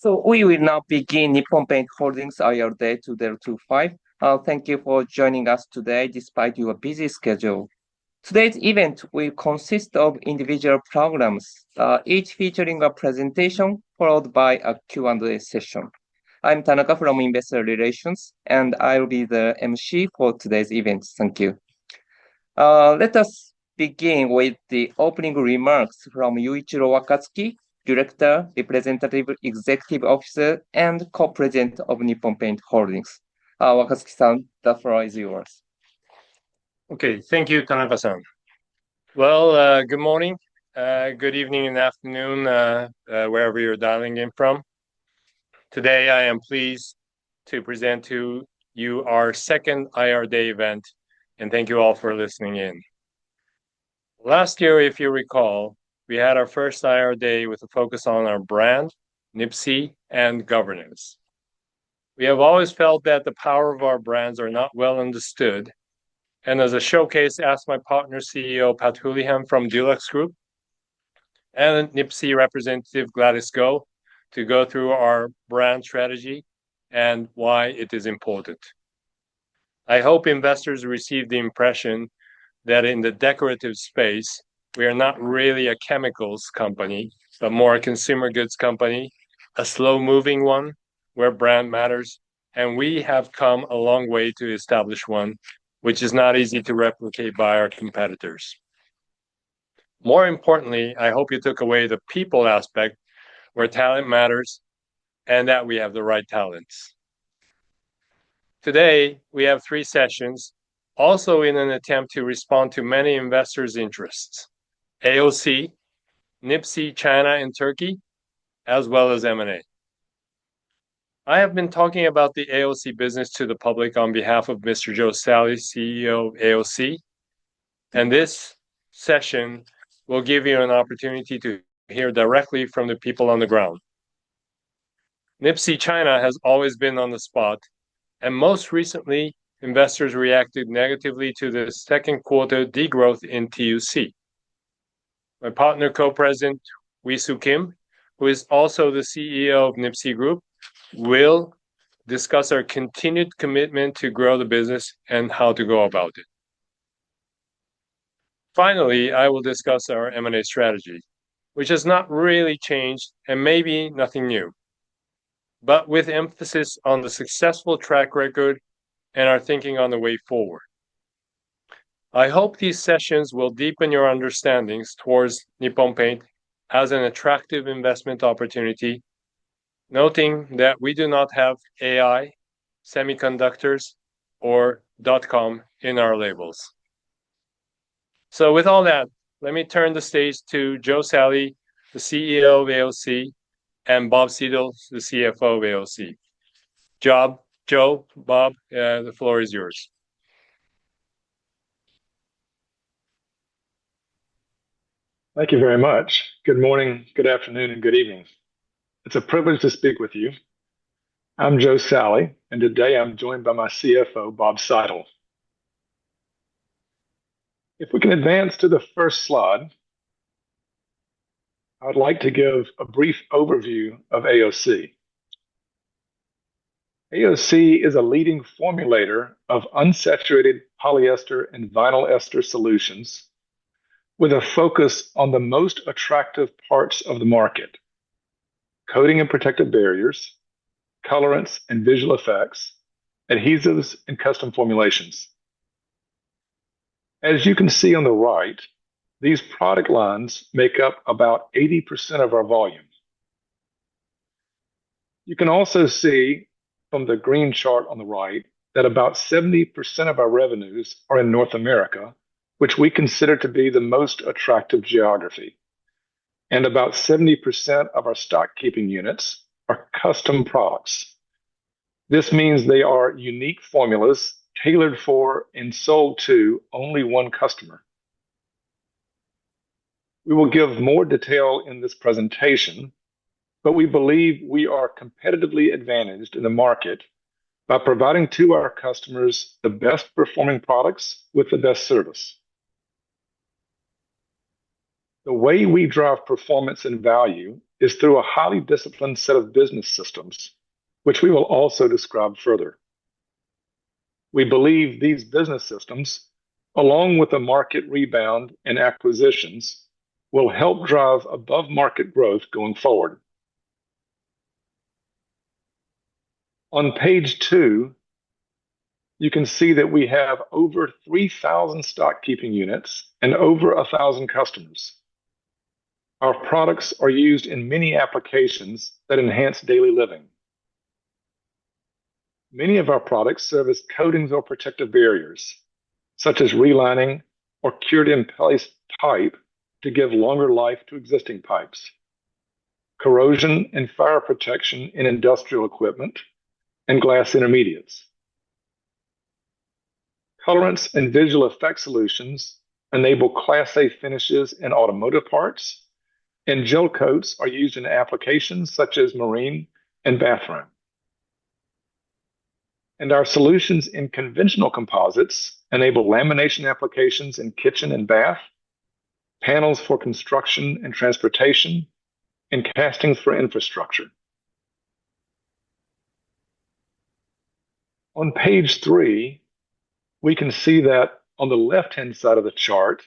So we will now begin Nippon Paint Holdings IRD 2025. Thank you for joining us today despite your busy schedule. Today's event will consist of individual programs, each featuring a presentation followed by a Q&A session. I'm Tanaka from Investor Relations, and I'll be the emcee for today's event, thank you. Let us begin with the opening remarks from Yuichiro Wakatsuki, Director, Representative Executive Officer, and Co-President of Nippon Paint Holdings. Wakatsuki-san, the floor is yours. Okay, thank you, Tanaka-san. Well, good morning, good evening, and afternoon, wherever you're dialing in from. Today I am pleased to present to you our second IRD event, and thank you all for listening in. Last year, if you recall, we had our first IRD with a focus on our brand, NIPSEA, and governance. We have always felt that the power of our brands are not well understood, and as a showcase, asked my partner CEO, Pat Houlihan from DuluxGroup and NIPSEA representative Gladys Goh to go through our brand strategy and why it is important. I hope investors receive the impression that in the decorative space we are not really a chemicals company, but more a consumer goods company, a slow-moving one where brand matters, and we have come a long way to establish one which is not easy to replicate by our competitors. More importantly, I hope you took away the people aspect, where talent matters, and that we have the right talents. Today we have three sessions, also in an attempt to respond to many investors' interests: AOC, NIPSEA, China, and Turkey, as well as M&A. I have been talking about the AOC business to the public on behalf of Mr. Joe Salley, CEO of AOC, and this session will give you an opportunity to hear directly from the people on the ground. NIPSEA, China, has always been on the spot, and most recently investors reacted negatively to the second-quarter degrowth in TUC. My partner Co-President, Wee Siew Kim, who is also the CEO of NIPSEA Group, will discuss our continued commitment to grow the business and how to go about it. Finally, I will discuss our M&A strategy, which has not really changed and may be nothing new, but with emphasis on the successful track record and our thinking on the way forward. I hope these sessions will deepen your understandings towards Nippon Paint as an attractive investment opportunity, noting that we do not have AI, semiconductors, or dot-com in our labels. So with all that, let me turn the stage to Joe Salley, the CEO of AOC, and Bob Seidel, the CFO of AOC. Joe—Joe, Bob, the floor is yours. Thank you very much. Good morning, good afternoon, and good evening. It's a privilege to speak with you. I'm Joe Salley, and today I'm joined by my CFO, Bob Seidel. If we can advance to the first slide, I would like to give a brief overview of AOC. AOC is a leading formulator of unsaturated polyester and vinyl ester solutions with a focus on the most attractive parts of the market: coating and protective barriers, colorants and visual effects, adhesives, and custom formulations. As you can see on the right, these product lines make up about 80% of our volume. You can also see from the green chart on the right that about 70% of our revenues are in North America, which we consider to be the most attractive geography, and about 70% of our stock-keeping units are custom products. This means they are unique formulas tailored for and sold to only one customer. We will give more detail in this presentation, but we believe we are competitively advantaged in the market by providing to our customers the best-performing products with the best service. The way we drive performance and value is through a highly disciplined set of business systems, which we will also describe further. We believe these business systems, along with the market rebound and acquisitions, will help drive above-market growth going forward. On page 2, you can see that we have over 3,000 stock-keeping units and over 1,000 customers. Our products are used in many applications that enhance daily living. Many of our products service coatings or protective barriers, such as relining or cured-in-place pipe, to give longer life to existing pipes. Corrosion and fire protection in industrial equipment and glass intermediates. Colorants and visual effect solutions enable Class A finishes in automotive parts. And gel coats are used in applications such as marine and bathroom. Our solutions in conventional composites enable lamination applications in kitchen and bath, panels for construction and transportation, and castings for infrastructure. On page 3, we can see that on the left-hand side of the chart,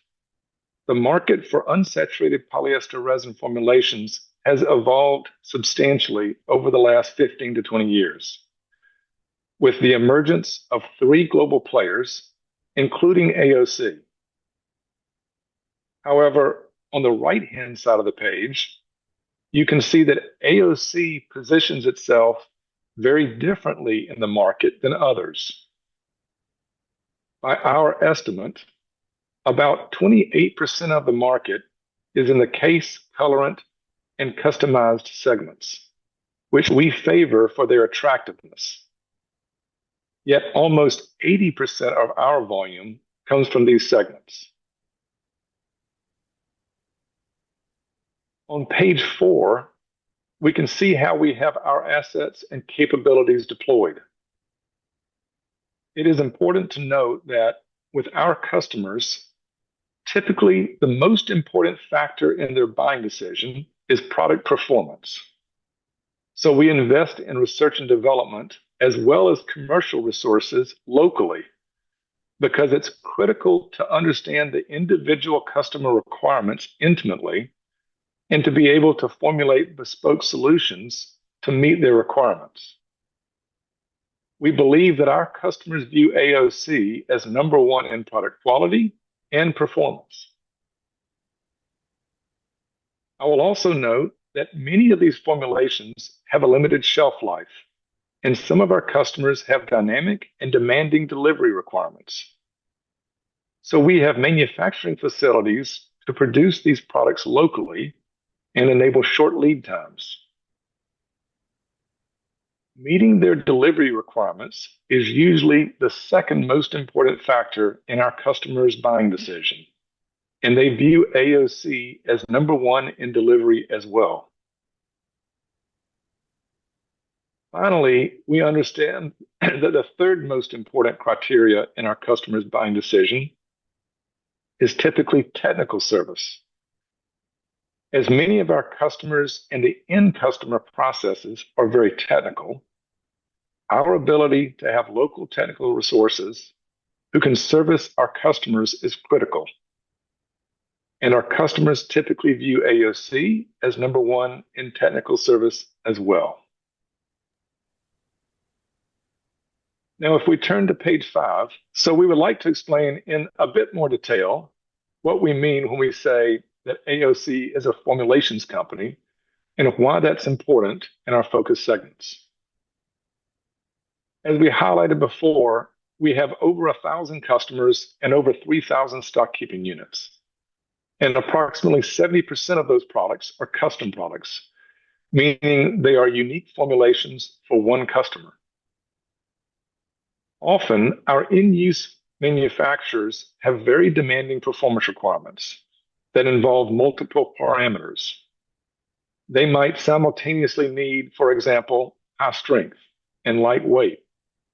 the market for unsaturated polyester resin formulations has evolved substantially over the last 15-20 years, with the emergence of three global players, including AOC. However, on the right-hand side of the page, you can see that AOC positions itself very differently in the market than others. By our estimate, about 28% of the market is in the Cast, colorant and customized segments, which we favor for their attractiveness. Yet almost 80% of our volume comes from these segments. On page 4, we can see how we have our assets and capabilities deployed. It is important to note that with our customers, typically the most important factor in their buying decision is product performance. So we invest in research and development as well as commercial resources locally because it's critical to understand the individual customer requirements intimately and to be able to formulate bespoke solutions to meet their requirements. We believe that our customers view AOC as number one in product quality and performance. I will also note that many of these formulations have a limited shelf life, and some of our customers have dynamic and demanding delivery requirements. So we have manufacturing facilities to produce these products locally and enable short lead times. Meeting their delivery requirements is usually the second most important factor in our customers' buying decision, and they view AOC as number one in delivery as well. Finally, we understand that the third most important criteria in our customers' buying decision is typically technical service. As many of our customers and the end customer processes are very technical, our ability to have local technical resources who can service our customers is critical, and our customers typically view AOC as number one in technical service as well. Now, if we turn to page 5, so we would like to explain in a bit more detail what we mean when we say that AOC is a formulations company and why that's important in our focus segments. As we highlighted before, we have over 1,000 customers and over 3,000 stock-keeping units, and approximately 70% of those products are custom products, meaning they are unique formulations for one customer. Often, our in-use manufacturers have very demanding performance requirements that involve multiple parameters. They might simultaneously need, for example, high strength and light weight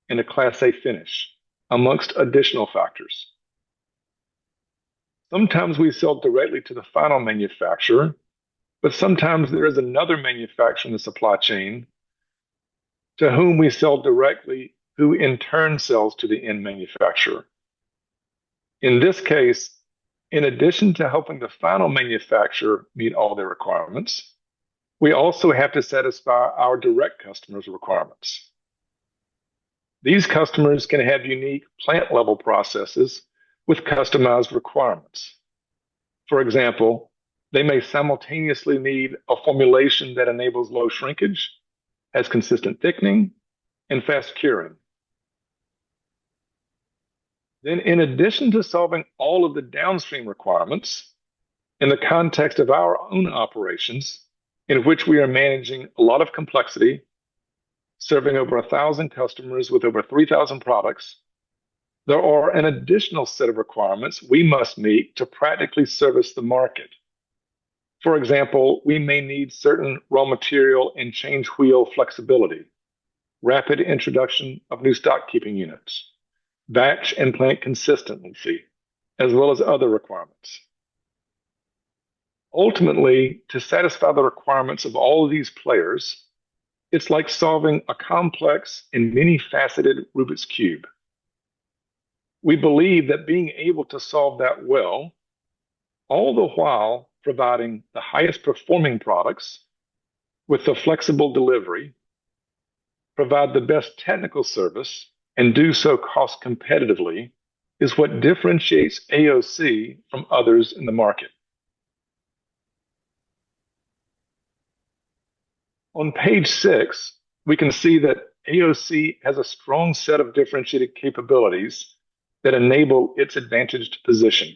and a Class A finish, among additional factors. Sometimes we sell directly to the final manufacturer, but sometimes there is another manufacturer in the supply chain to whom we sell directly, who in turn sells to the end manufacturer. In this case, in addition to helping the final manufacturer meet all their requirements, we also have to satisfy our direct customers' requirements. These customers can have unique plant-level processes with customized requirements. For example, they may simultaneously need a formulation that enables low shrinkage, has consistent thickening, and fast curing. Then, in addition to solving all of the downstream requirements in the context of our own operations, in which we are managing a lot of complexity, serving over 1,000 customers with over 3,000 products, there are an additional set of requirements we must meet to practically service the market. For example, we may need certain raw material and changeover flexibility, rapid introduction of new stock-keeping units, batch and plant consistency, as well as other requirements. Ultimately, to satisfy the requirements of all of these players, it's like solving a complex and many-faceted Rubik's Cube. We believe that being able to solve that well, all the while providing the highest performing products with the flexible delivery, provide the best technical service, and do so cost-competitively is what differentiates AOC from others in the market. On page 6, we can see that AOC has a strong set of differentiated capabilities that enable its advantage to position.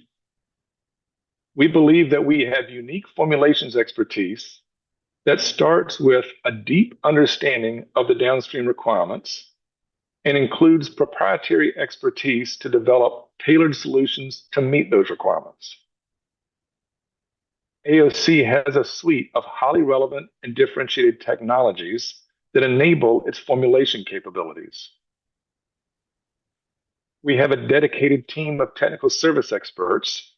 We believe that we have unique formulations expertise that starts with a deep understanding of the downstream requirements and includes proprietary expertise to develop tailored solutions to meet those requirements. AOC has a suite of highly relevant and differentiated technologies that enable its formulation capabilities. We have a dedicated team of technical service experts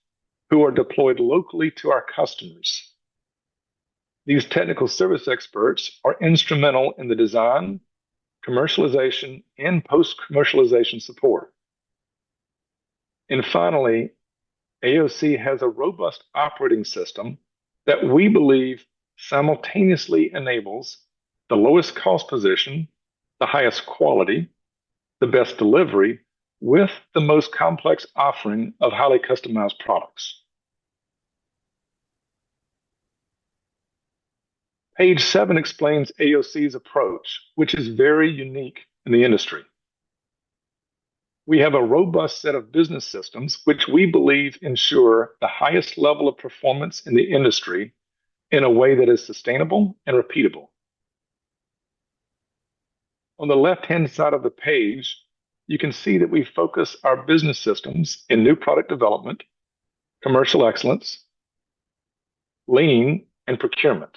who are deployed locally to our customers. These technical service experts are instrumental in the design, commercialization, and post-commercialization support. Finally, AOC has a robust operating system that we believe simultaneously enables the lowest cost position, the highest quality, the best delivery, with the most complex offering of highly customized products. Page 7 explains AOC's approach, which is very unique in the industry. We have a robust set of business systems which we believe ensure the highest level of performance in the industry in a way that is sustainable and repeatable. On the left-hand side of the page, you can see that we focus our business systems in new product development, commercial excellence, Lean, and procurement.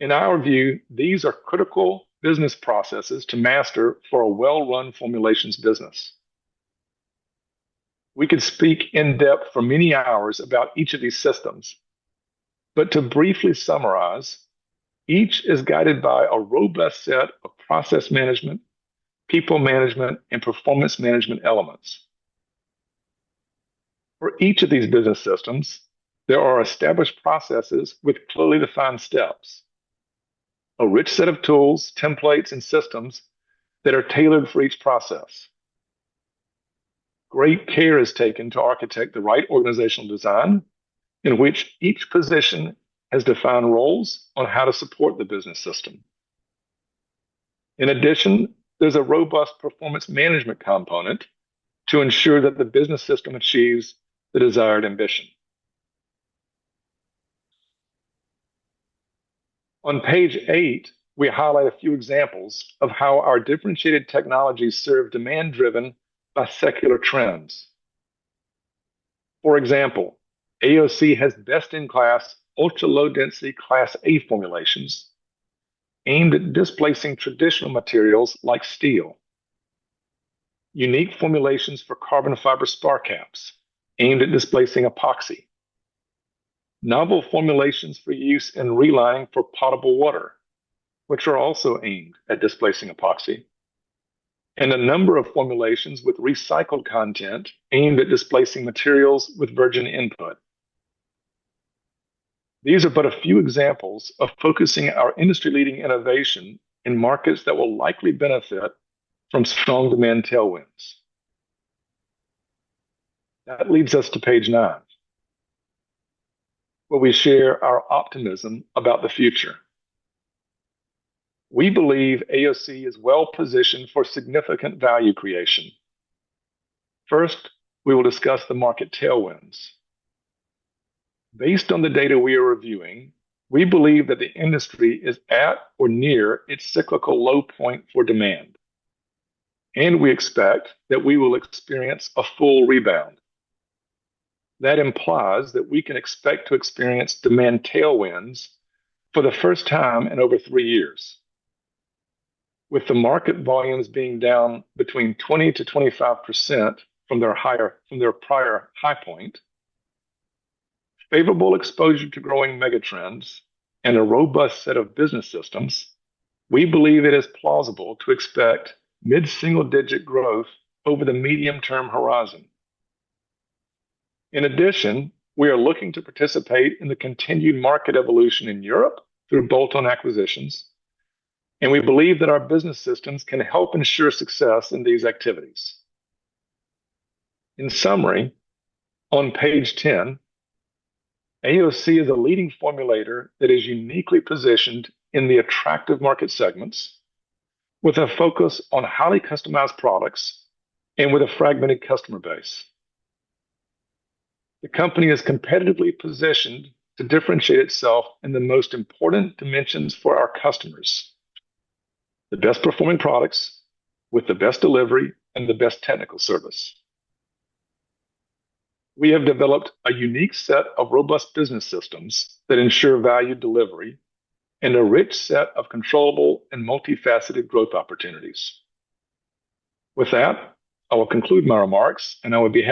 In our view, these are critical business processes to master for a well-run formulations business. We could speak in-depth for many hours about each of these systems, but to briefly summarize, each is guided by a robust set of process management, people management, and performance management elements. For each of these business systems, there are established processes with clearly defined steps, a rich set of tools, templates, and systems that are tailored for each process. Great care is taken to architect the right organizational design in which each position has defined roles on how to support the business system. In addition, there's a robust performance management component to ensure that the business system achieves the desired ambition. On page 8, we highlight a few examples of how our differentiated technologies serve demand-driven by secular trends. For example, AOC has best-in-class ultra-low-density Class A formulations aimed at displacing traditional materials like steel, unique formulations for carbon fiber spar caps aimed at displacing epoxy, novel formulations for use in relining for potable water, which are also aimed at displacing epoxy, and a number of formulations with recycled content aimed at displacing materials with virgin input. These are but a few examples of focusing our industry-leading innovation in markets that will likely benefit from strong demand tailwinds. That leads us to page 9, where we share our optimism about the future. We believe AOC is well-positioned for significant value creation. First, we will discuss the market tailwinds. Based on the data we are reviewing, we believe that the industry is at or near its cyclical low point for demand, and we expect that we will experience a full rebound. That implies that we can expect to experience demand tailwinds for the first time in over three years, with the market volumes being down between 20%-25% from their prior high point. Favorable exposure to growing megatrends and a robust set of business systems, we believe it is plausible to expect mid-single-digit growth over the medium-term horizon. In addition, we are looking to participate in the continued market evolution in Europe through bolt-on acquisitions, and we believe that our business systems can help ensure success in these activities. In summary, on page 10, AOC is a leading formulator that is uniquely positioned in the attractive market segments with a focus on highly customized products and with a fragmented customer base. The company is competitively positioned to differentiate itself in the most important dimensions for our customers: the best performing products with the best delivery and the best technical service. We have developed a unique set of robust business systems that ensure value delivery and a rich set of controllable and multifaceted growth opportunities. With that, I will conclude my remarks, and I would be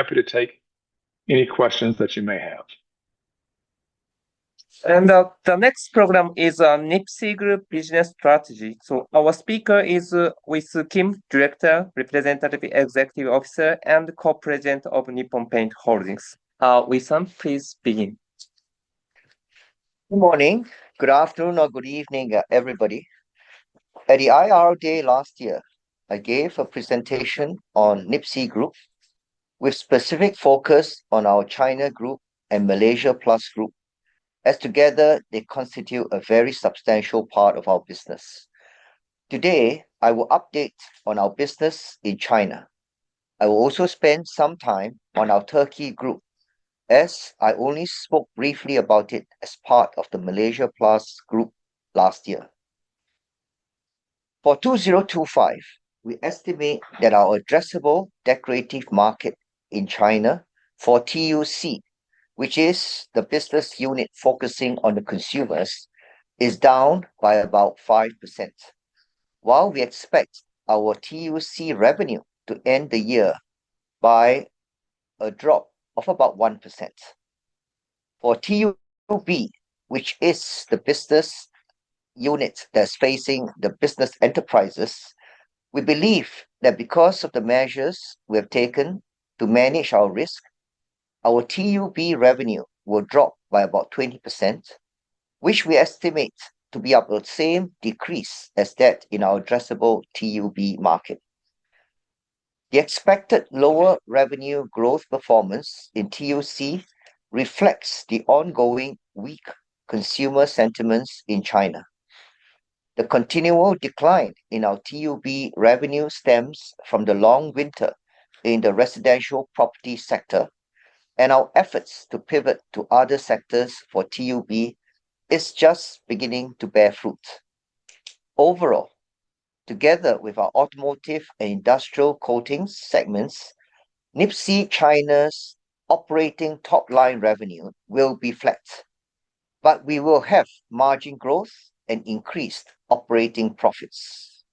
happy to take any questions that you may have. The next program is Nippon Paint Group Business Strategy. Our speaker is Wee Siew Kim, Director, Representative Executive Officer, and Co-President of Nippon Paint Holdings. Wee Siew, please begin. Good morning, good afternoon, or good evening, everybody. At the IRO day last year, I gave a presentation on Nippon Paint Group with specific focus on our China Group and Malaysia Plus Group, as together they constitute a very substantial part of our business. Today, I will update on our business in China. I will also spend some time on our Turkey Group, as I only spoke briefly about it as part of the Malaysia Plus Group last year. For 2025, we estimate that our addressable decorative market in China for TUC, which is the business unit focusing on the consumers, is down by about 5%, while we expect our TUC revenue to end the year by a drop of about 1%. For TUB, which is the business unit that's facing the business enterprises, we believe that because of the measures we have taken to manage our risk, our TUB revenue will drop by about 20%, which we estimate to be about the same decrease as that in our addressable TUB market. The expected lower revenue growth performance in TUC reflects the ongoing weak consumer sentiments in China. The continual decline in our TUB revenue stems from the long winter in the residential property sector, and our efforts to pivot to other sectors for TUB are just beginning to bear fruit. Overall, together with our automotive and industrial coatings segments, Nippon Paint China's operating top-line revenue will be flat, but we will have margin growth and increased operating profits.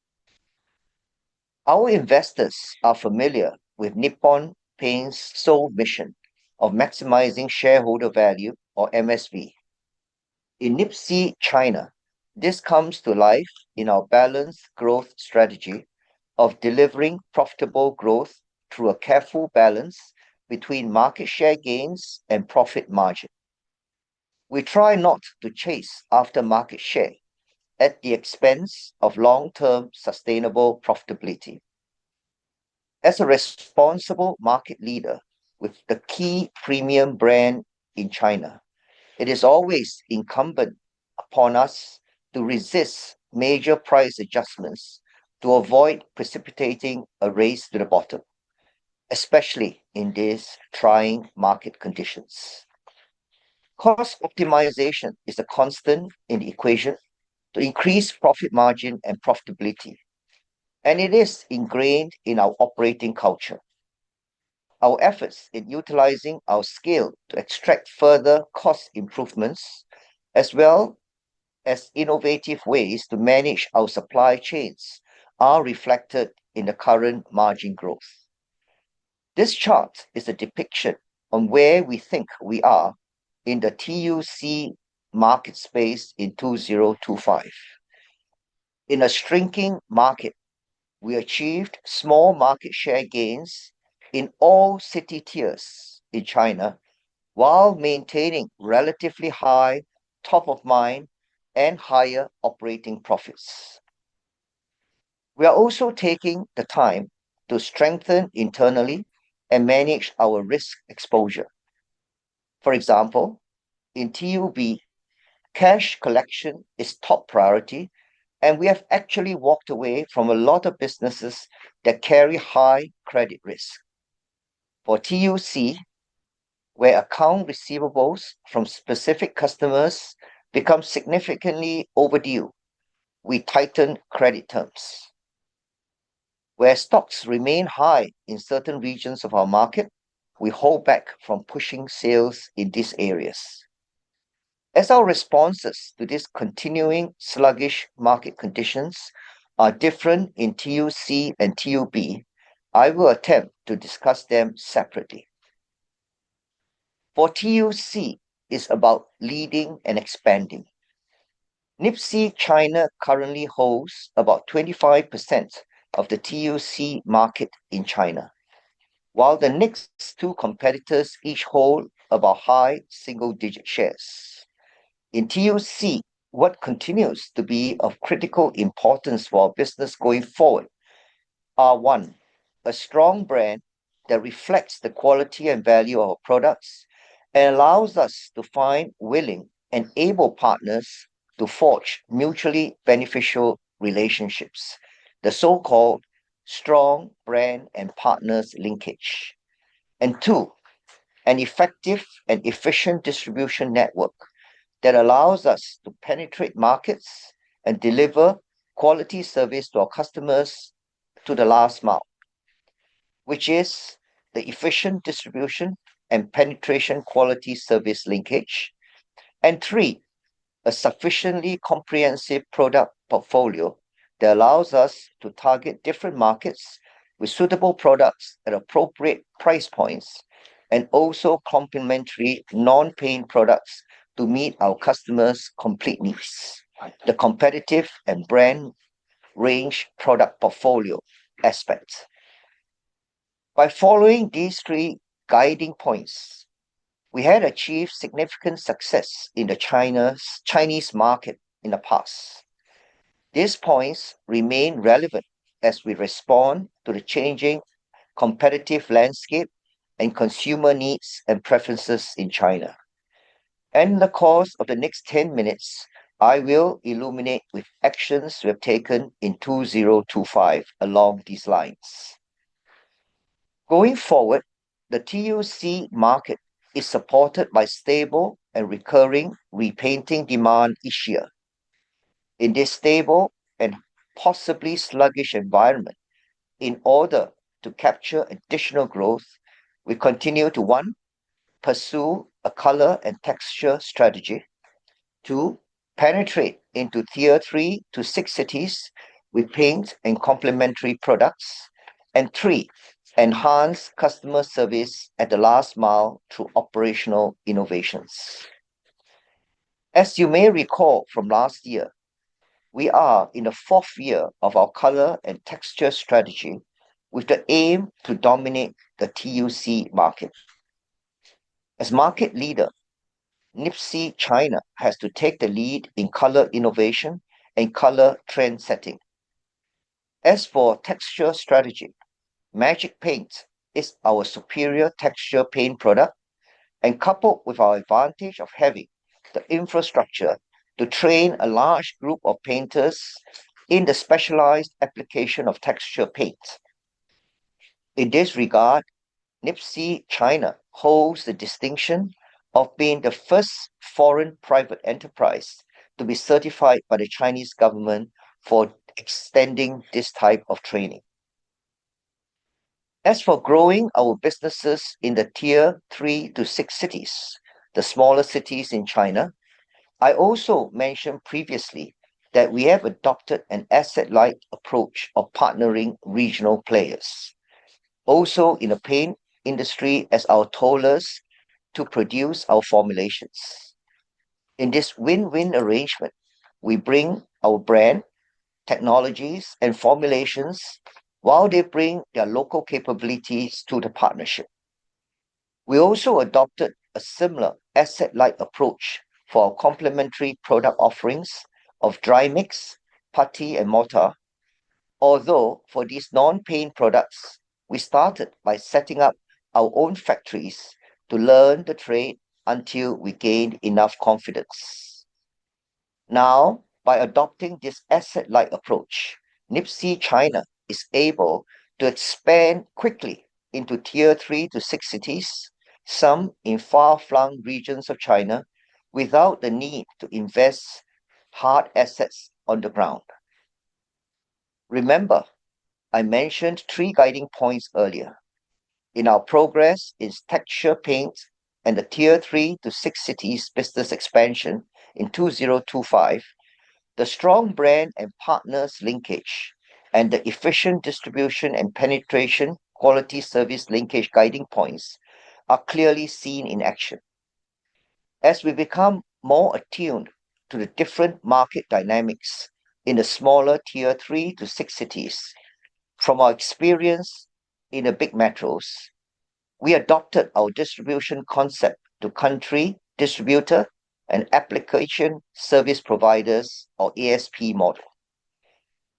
Our investors are familiar with Nippon Paint's sole mission of maximizing shareholder value, or MSV. In Nippon Paint China, this comes to life in our balanced growth strategy of delivering profitable growth through a careful balance between market share gains and profit margin. We try not to chase after market share at the expense of long-term sustainable profitability. As a responsible market leader with the key premium brand in China, it is always incumbent upon us to resist major price adjustments to avoid precipitating a race to the bottom, especially in these trying market conditions. Cost optimization is a constant in the equation to increase profit margin and profitability, and it is ingrained in our operating culture. Our efforts in utilizing our scale to extract further cost improvements, as well as innovative ways to manage our supply chains, are reflected in the current margin growth. This chart is a depiction on where we think we are in the TUC market space in 2025. In a shrinking market, we achieved small market share gains in all city tiers in China while maintaining relatively high top-of-mind and higher operating profits. We are also taking the time to strengthen internally and manage our risk exposure. For example, in TUB, cash collection is top priority, and we have actually walked away from a lot of businesses that carry high credit risk. For TUC, where account receivables from specific customers become significantly overdue, we tighten credit terms. Where stocks remain high in certain regions of our market, we hold back from pushing sales in these areas. As our responses to these continuing sluggish market conditions are different in TUC and TUB, I will attempt to discuss them separately. For TUC, it is about leading and expanding. Nippon Paint China currently holds about 25% of the TUC market in China, while the next two competitors each hold about high single-digit shares. In TUC, what continues to be of critical importance for our business going forward is, one, a strong brand that reflects the quality and value of our products and allows us to find willing and able partners to forge mutually beneficial relationships, the so-called strong brand and partners linkage. And two, an effective and efficient distribution network that allows us to penetrate markets and deliver quality service to our customers to the last mile, which is the efficient distribution and penetration quality service linkage. And three, a sufficiently comprehensive product portfolio that allows us to target different markets with suitable products at appropriate price points and also complementary non-paint products to meet our customers' complete needs, the competitive and brand range product portfolio aspect. By following these three guiding points, we had achieved significant success in the Chinese market in the past. These points remain relevant as we respond to the changing competitive landscape and consumer needs and preferences in China. In the course of the next 10 minutes, I will illuminate with actions we have taken in 2025 along these lines. Going forward, the TUC market is supported by stable and recurring repainting demand each year. In this stable and possibly sluggish environment, in order to capture additional growth, we continue to one, pursue a color and texture strategy, two, penetrate into tier three to six cities with paints and complementary products, and three, enhance customer service at the last mile through operational innovations. As you may recall from last year, we are in the fourth year of our color and texture strategy with the aim to dominate the TUC market. As market leader, Nippon Paint China has to take the lead in color innovation and color trend setting. As for texture strategy, Magic Paint is our superior texture paint product, coupled with our advantage of having the infrastructure to train a large group of painters in the specialized application of texture paints. In this regard, Nippon Paint China holds the distinction of being the first foreign private enterprise to be certified by the Chinese government for extending this type of training. As for growing our businesses in the tier 3-6 cities, the smaller cities in China, I also mentioned previously that we have adopted an asset-light approach of partnering regional players, also in the paint industry, as our tollers to produce our formulations. In this win-win arrangement, we bring our brand technologies and formulations while they bring their local capabilities to the partnership. We also adopted a similar asset-light approach for our complementary product offerings of dry mix, putty, and mortar, although for these non-paint products, we started by setting up our own factories to learn the trade until we gained enough confidence. Now, by adopting this asset-light approach, Nippon Paint China is able to expand quickly into tier 3 to 6 cities, some in far-flung regions of China, without the need to invest hard assets on the ground. Remember, I mentioned three guiding points earlier. In our progress in texture paints and the tier 3 to 6 cities business expansion in 2025, the strong brand and partners linkage and the efficient distribution and penetration quality service linkage guiding points are clearly seen in action. As we become more attuned to the different market dynamics in the smaller tier 3 to 6 cities, from our experience in the big metros, we adopted our distribution concept to country distributor and application service providers, or ASP model.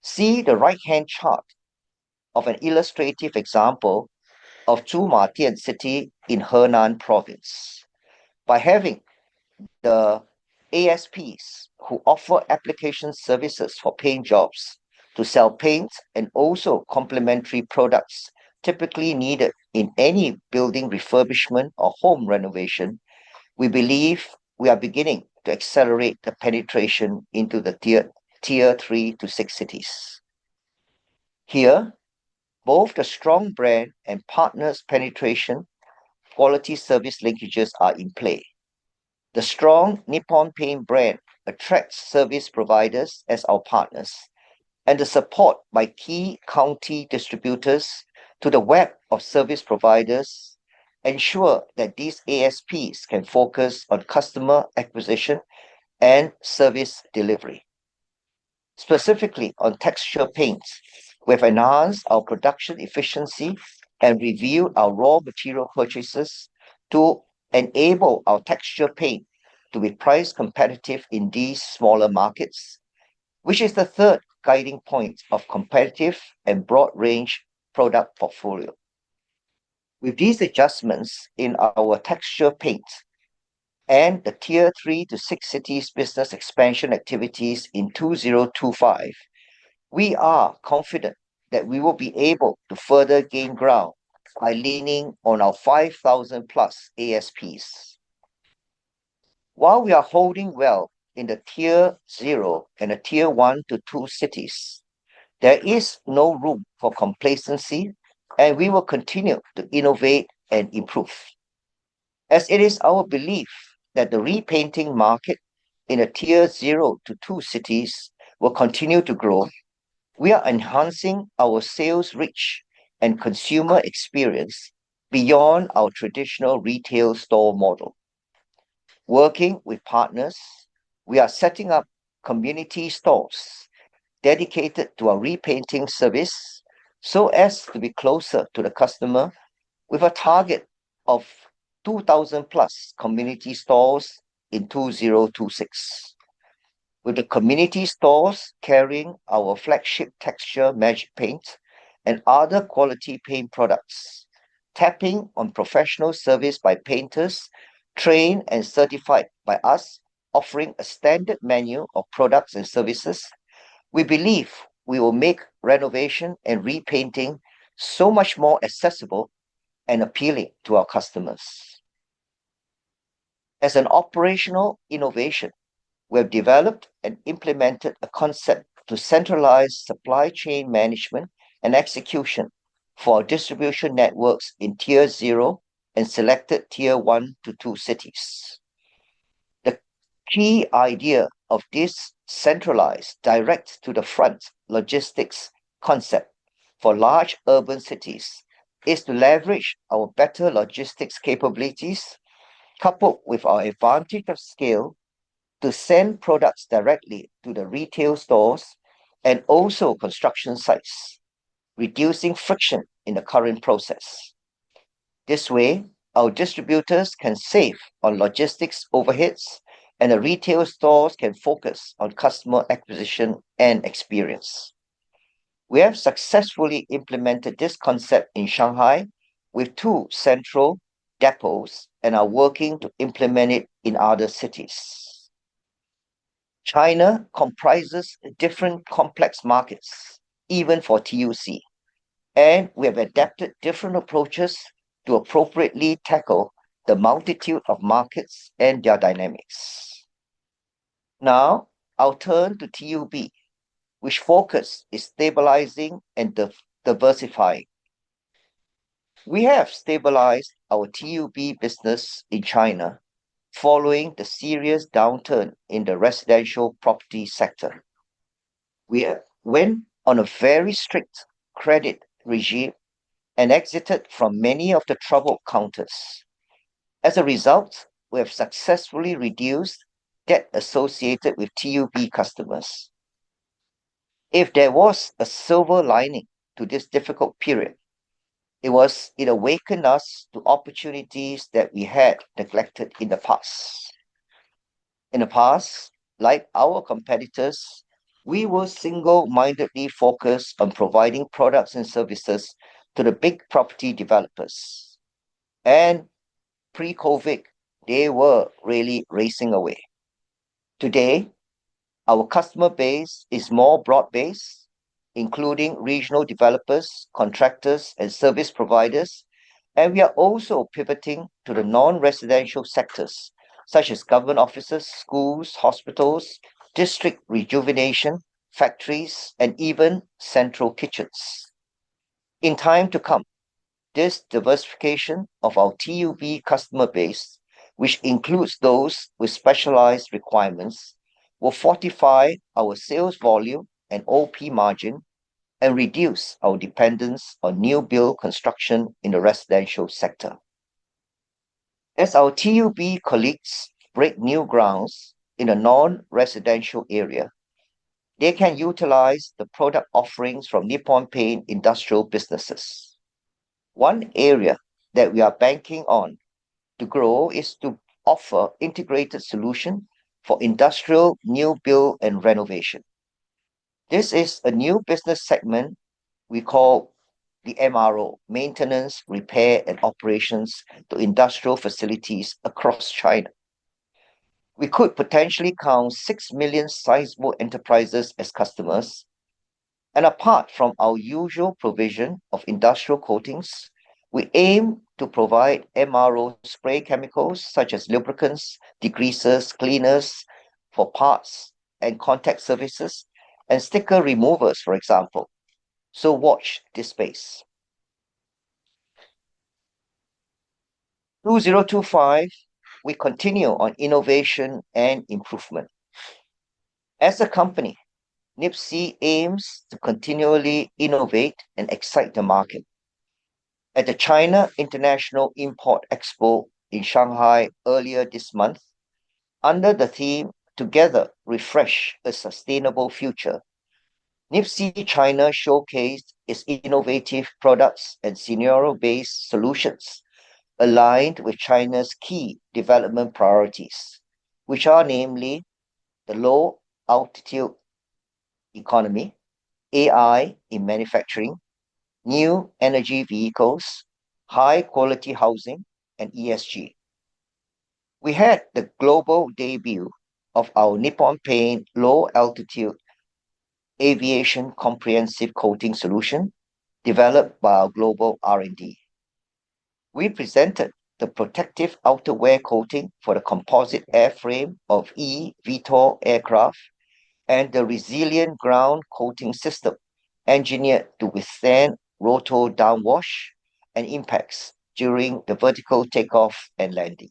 See the right-hand chart of an illustrative example of Zhumadian cities in Henan Province. By having the ASPs who offer application services for paint jobs to sell paints and also complementary products typically needed in any building refurbishment or home renovation, we believe we are beginning to accelerate the penetration into the tier 3 to 6 cities. Here, both the strong brand and partners penetration quality service linkages are in play. The strong Nippon Paint brand attracts service providers as our partners, and the support by key county distributors to the web of service providers ensures that these ASPs can focus on customer acquisition and service delivery. Specifically on texture paints, we have enhanced our production efficiency and reviewed our raw material purchases to enable our texture paint to be price competitive in these smaller markets, which is the third guiding point of competitive and broad-range product portfolio. With these adjustments in our texture paints and the tier 3 to 6 cities business expansion activities in 2025, we are confident that we will be able to further gain ground by leaning on our 5,000+ ASPs. While we are holding well in the tier 0 and the tier 1 to 2 cities, there is no room for complacency, and we will continue to innovate and improve. As it is our belief that the repainting market in the tier 0 to 2 cities will continue to grow, we are enhancing our sales reach and consumer experience beyond our traditional retail store model. Working with partners, we are setting up community stores dedicated to our repainting service so as to be closer to the customer, with a target of 2,000+ community stores in 2026. With the community stores carrying our flagship texture Magic Paint and other quality paint products, tapping on professional service by painters trained and certified by us, offering a standard menu of products and services, we believe we will make renovation and repainting so much more accessible and appealing to our customers. As an operational innovation, we have developed and implemented a concept to centralize supply chain management and execution for our distribution networks in tier 0 and selected tier 1 to 2 cities. The key idea of this centralized direct-to-the-front logistics concept for large urban cities is to leverage our better logistics capabilities, coupled with our advantage of scale, to send products directly to the retail stores and also construction sites, reducing friction in the current process. This way, our distributors can save on logistics overheads, and the retail stores can focus on customer acquisition and experience. We have successfully implemented this concept in Shanghai with 2 central depots, and are working to implement it in other cities. China comprises different complex markets, even for TUC, and we have adapted different approaches to appropriately tackle the multitude of markets and their dynamics. Now I'll turn to TUB, which focus is stabilizing and diversifying. We have stabilized our TUB business in China following the serious downturn in the residential property sector. We went on a very strict credit regime and exited from many of the trouble counters. As a result, we have successfully reduced debt associated with TUB customers. If there was a silver lining to this difficult period, it was. It awakened us to opportunities that we had neglected in the past. In the past, like our competitors, we were single-mindedly focused on providing products and services to the big property developers. Pre-COVID, they were really racing away. Today, our customer base is more broad-based, including regional developers, contractors, and service providers. We are also pivoting to the non-residential sectors such as government offices, schools, hospitals, district rejuvenation, factories, and even central kitchens. In time to come, this diversification of our TUB customer base, which includes those with specialized requirements, will fortify our sales volume and OP margin and reduce our dependence on new-build construction in the residential sector. As our TUB colleagues break new grounds in a non-residential area, they can utilize the product offerings from Nippon Paint industrial businesses. One area that we are banking on to grow is to offer integrated solutions for industrial new-build and renovation. This is a new business segment we call the MRO, Maintenance, Repair, and Operations to Industrial Facilities across China. We could potentially count 6 million sizable enterprises as customers. And apart from our usual provision of industrial coatings, we aim to provide MRO spray chemicals such as lubricants, degreasers, cleaners for parts and contact services, and sticker removers, for example. So watch this space. 2025, we continue on innovation and improvement. As a company, Nippon Paint aims to continually innovate and excite the market. At the China International Import Expo in Shanghai earlier this month, under the theme "Together Refresh a Sustainable Future," Nippon Paint China showcased its innovative products and scenario-based solutions aligned with China's key development priorities, which are namely the low-altitude economy, AI in manufacturing, new energy vehicles, high-quality housing, and ESG. We had the global debut of our Nippon Paint low-altitude aviation comprehensive coating solution developed by our global R&D. We presented the protective outerwear coating for the composite airframe of eVTOL aircraft and the resilient ground coating system engineered to withstand rotor downwash and impacts during the vertical takeoff and landing.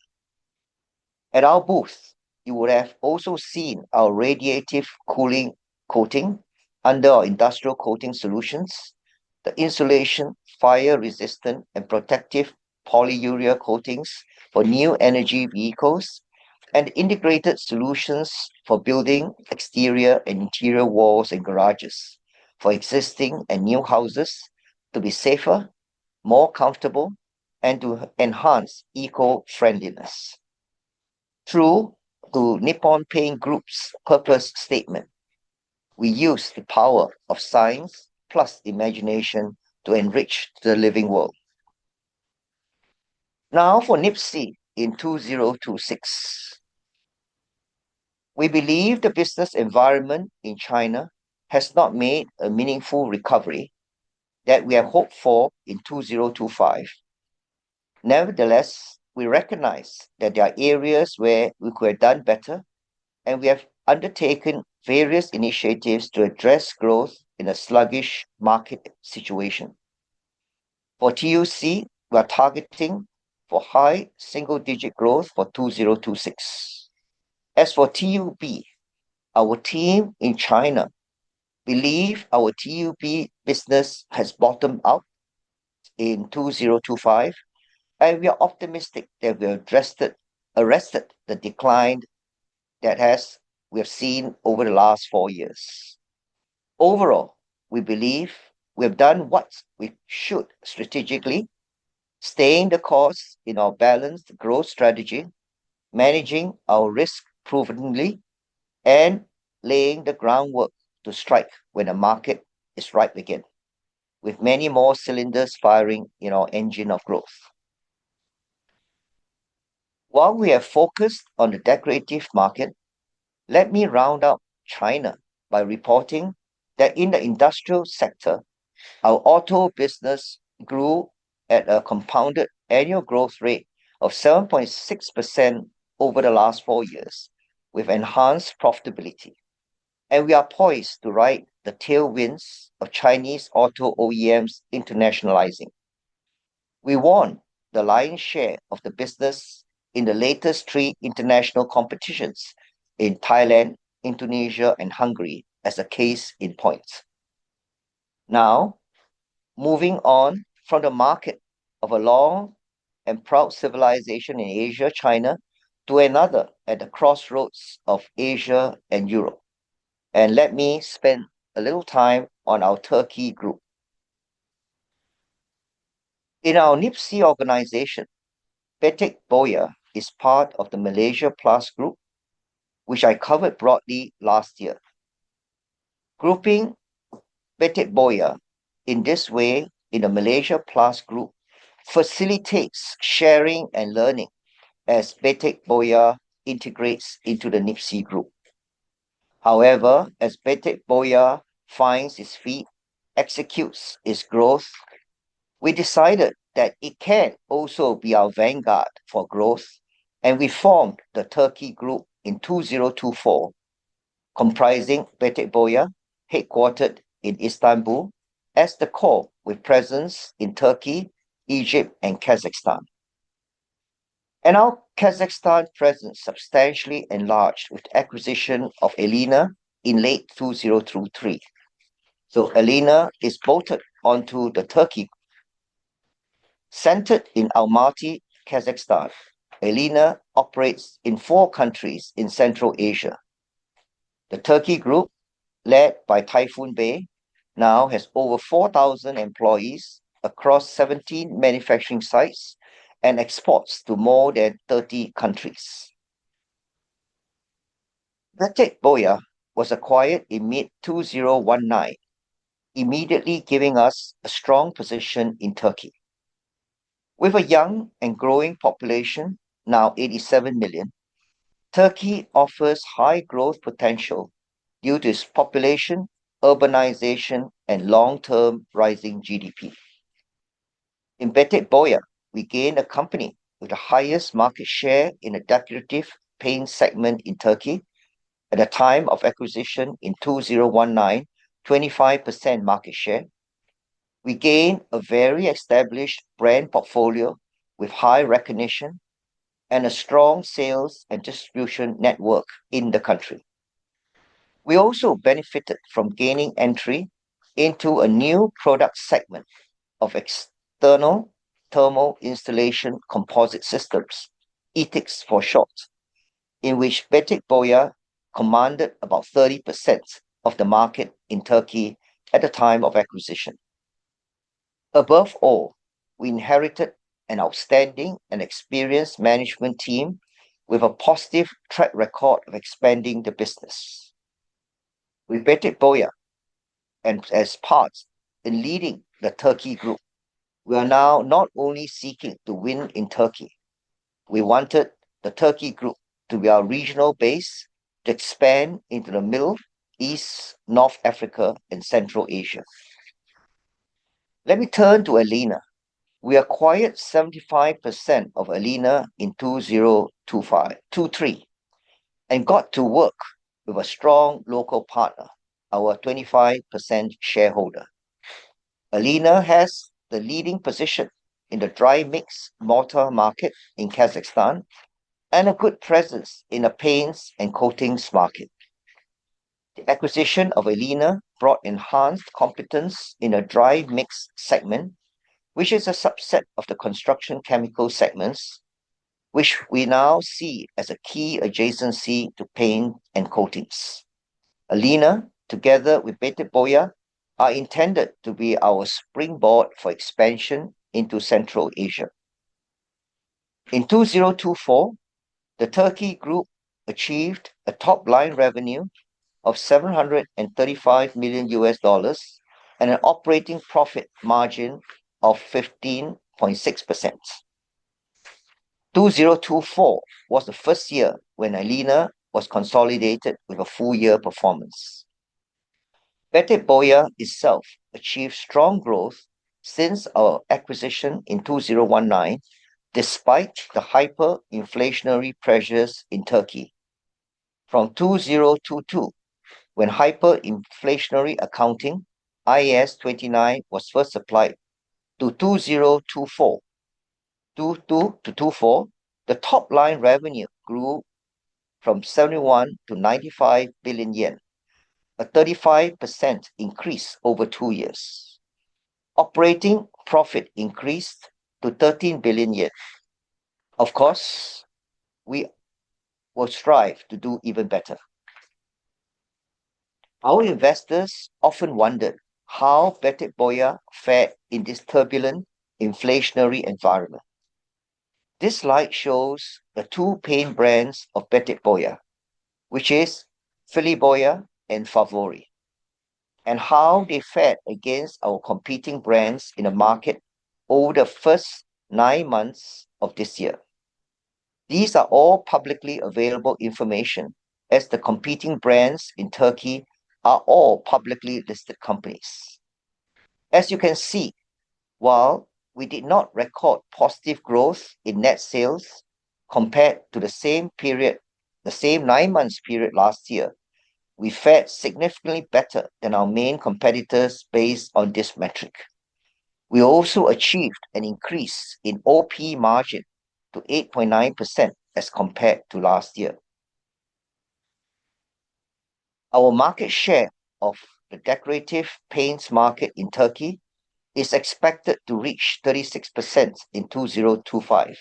At our booth, you would have also seen our radiative cooling coating under our industrial coating solutions, the insulation fire-resistant and protective polyurea coatings for new energy vehicles, and integrated solutions for building exterior and interior walls and garages for existing and new houses to be safer, more comfortable, and to enhance eco-friendliness. Through the Nippon Paint Group's purpose statement, we use the power of science plus imagination to enrich the living world. Now for Nippon Paint in 2026, we believe the business environment in China has not made a meaningful recovery that we have hoped for in 2025. Nevertheless, we recognize that there are areas where we could have done better, and we have undertaken various initiatives to address growth in a sluggish market situation. For TUC, we are targeting high single-digit growth for 2026. As for TUB, our team in China believes our TUB business has bottomed out in 2025, and we are optimistic that we have arrested the decline that we have seen over the last four years. Overall, we believe we have done what we should strategically, staying the course in our balanced growth strategy, managing our risk prudently, and laying the groundwork to strike when the market is ripe again, with many more cylinders firing in our engine of growth. While we have focused on the decorative market, let me round out China by reporting that in the industrial sector, our auto business grew at a compounded annual growth rate of 7.6% over the last four years with enhanced profitability. We are poised to ride the tailwinds of Chinese auto OEMs internationalizing. We won the lion's share of the business in the latest 3 international competitions in Thailand, Indonesia, and Hungary as a case in point. Now moving on from the market of a long and proud civilization in Asia, China, to another at the crossroads of Asia and Europe. Let me spend a little time on our Turkey group. In our Nippon Paint organization, Betek Boya is part of the Malaysia Plus Group, which I covered broadly last year. Grouping Betek Boya in this way in the Malaysia Plus Group facilitates sharing and learning as Betek Boya integrates into the Nippon Paint Group. However, as Betek Boya finds his feet, executes his growth, we decided that it can also be our vanguard for growth, and we formed the Turkey group in 2024, comprising Betek Boya headquartered in Istanbul as the core with presence in Turkey, Egypt, and Kazakhstan. Our Kazakhstan presence substantially enlarged with the acquisition of Alina in late 2023. Alina is bolted onto the Turkey group centered in Almaty, Kazakhstan. Alina operates in four countries in Central Asia. The Turkey group, led by Tayfun Küçükoğlu, now has over 4,000 employees across 17 manufacturing sites and exports to more than 30 countries. Betek Boya was acquired in mid-2019, immediately giving us a strong position in Turkey. With a young and growing population, now 87 million, Turkey offers high growth potential due to its population, urbanization, and long-term rising GDP. In Betek Boya, we gained a company with the highest market share in the decorative paint segment in Turkey at a time of acquisition in 2019, 25% market share. We gained a very established brand portfolio with high recognition and a strong sales and distribution network in the country. We also benefited from gaining entry into a new product segment of External Thermal Insulation composite systems, ETICS for short, in which Betek Boya commanded about 30% of the market in Turkey at the time of acquisition. Above all, we inherited an outstanding and experienced management team with a positive track record of expanding the business. With Betek Boya and as part of leading the Turkey Group, we are now not only seeking to win in Turkey. We wanted the Turkey Group to be our regional base to expand into the Middle East, North Africa, and Central Asia. Let me turn to Alina. We acquired 75% of Alina in 2023 and got to work with a strong local partner, our 25% shareholder. Alina has the leading position in the dry mix mortar market in Kazakhstan and a good presence in the paints and coatings market. The acquisition of Alina brought enhanced competence in a dry mix segment, which is a subset of the construction chemical segments, which we now see as a key adjacency to paint and coatings. Alina, together with Betek Boya, are intended to be our springboard for expansion into Central Asia. In 2024, the Turkey group achieved a top-line revenue of $735 million and an operating profit margin of 15.6%. 2024 was the first year when Alina was consolidated with a full-year performance. Betek Boya itself achieved strong growth since our acquisition in 2019 despite the hyperinflationary pressures in Turkey. From 2022, when hyperinflationary accounting IAS 29 was first applied to 2024, the top-line revenue grew from 71 billion to 95 billion yen, a 35% increase over two years. Operating profit increased to 13 billion yen. Of course, we will strive to do even better. Our investors often wondered how Betek Boya fared in this turbulent inflationary environment. This slide shows the two paint brands of Betek Boya, which are Filli Boya and Fawori, and how they fared against our competing brands in the market over the first nine months of this year. These are all publicly available information as the competing brands in Turkey are all publicly listed companies. As you can see, while we did not record positive growth in net sales compared to the same nine-month period last year, we fared significantly better than our main competitors based on this metric. We also achieved an increase in OP margin to 8.9% as compared to last year. Our market share of the decorative paints market in Turkey is expected to reach 36% in 2025,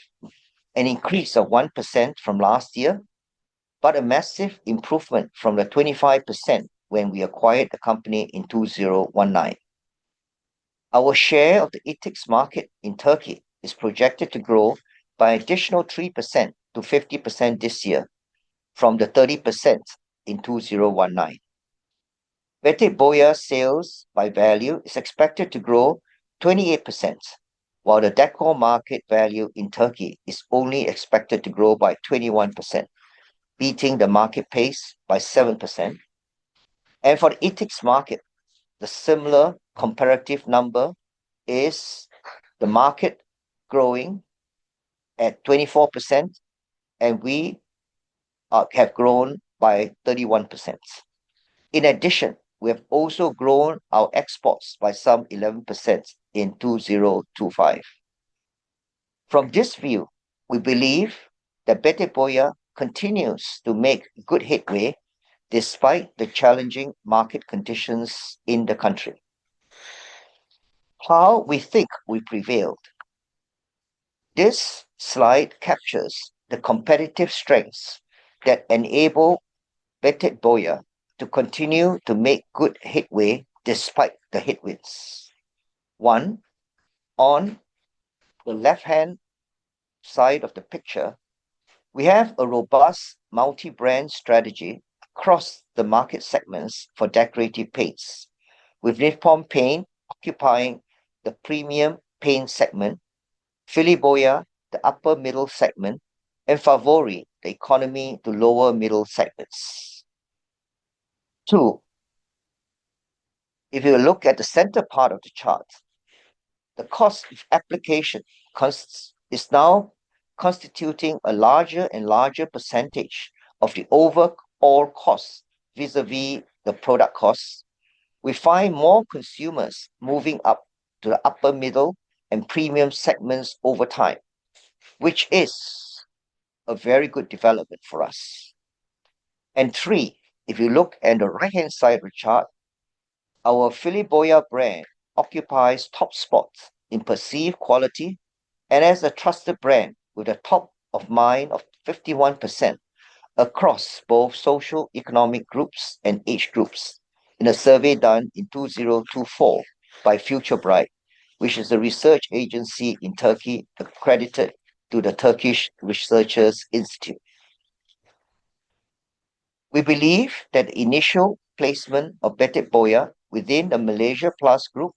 an increase of 1% from last year, but a massive improvement from the 25% when we acquired the company in 2019. Our share of the ETICS market in Turkey is projected to grow by an additional 3% to 50% this year from the 30% in 2019. Betek Boya sales by value is expected to grow 28%, while the decor market value in Turkey is only expected to grow by 21%, beating the market pace by 7%. For the ETICS market, the similar comparative number is the market growing at 24% and we have grown by 31%. In addition, we have also grown our exports by some 11% in 2025. From this view, we believe that Betek Boya continues to make good headway despite the challenging market conditions in the country. How we think we prevailed. This slide captures the competitive strengths that enable Betek Boya to continue to make good headway despite the headwinds. One, on the left-hand side of the picture, we have a robust multi-brand strategy across the market segments for decorative paints, with Nippon Paint occupying the premium paint segment, Filli Boya the upper middle segment, and Fawori the economy to lower middle segments. Two, if you look at the center part of the chart, the cost of application is now constituting a larger and larger percentage of the overall cost vis-à-vis the product cost. We find more consumers moving up to the upper middle and premium segments over time, which is a very good development for us. And three, if you look at the right-hand side of the chart, our Filli Boya brand occupies top spots in perceived quality and as a trusted brand with a top of mind of 51% across both socio-economic groups and age groups in a survey done in 2024 by FutureBright, which is a research agency in Turkey accredited to the Turkish Researchers Institute. We believe that the initial placement of Betek Boya within the Nipsea Group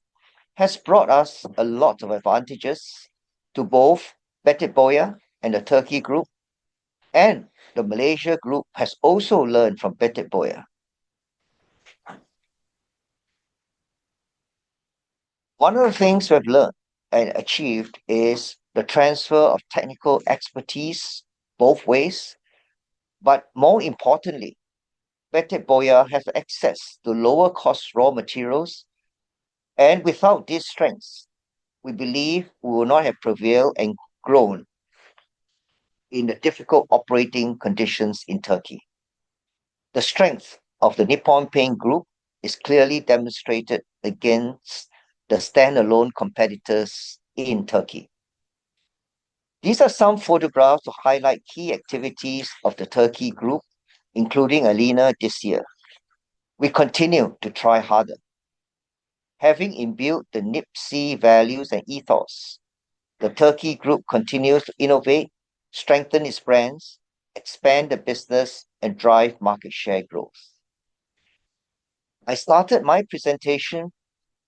has brought us a lot of advantages to both Betek Boya and the Turkey group, and the Nipsea Group has also learned from Betek Boya. One of the things we have learned and achieved is the transfer of technical expertise both ways. But more importantly, Betek Boya has access to lower-cost raw materials. And without these strengths, we believe we will not have prevailed and grown in the difficult operating conditions in Turkey. The strength of the Nippon Paint Group is clearly demonstrated against the standalone competitors in Turkey. These are some photographs to highlight key activities of the Turkey group, including Alina this year. We continue to try harder. Having inbuilt the Nippon Paint values and ethos, the Turkey group continues to innovate, strengthen its brands, expand the business, and drive market share growth. I started my presentation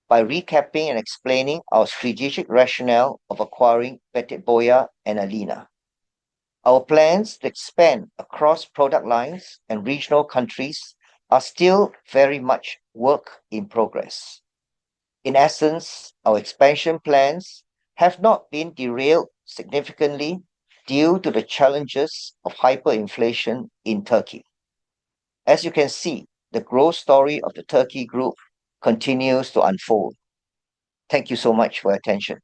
by recapping and explaining our strategic rationale of acquiring Betek Boya and Alina. Our plans to expand across product lines and regional countries are still very much work in progress. In essence, our expansion plans have not been derailed significantly due to the challenges of hyperinflation in Turkey. As you can see, the growth story of the Turkey group continues to unfold. Thank you so much for your attention.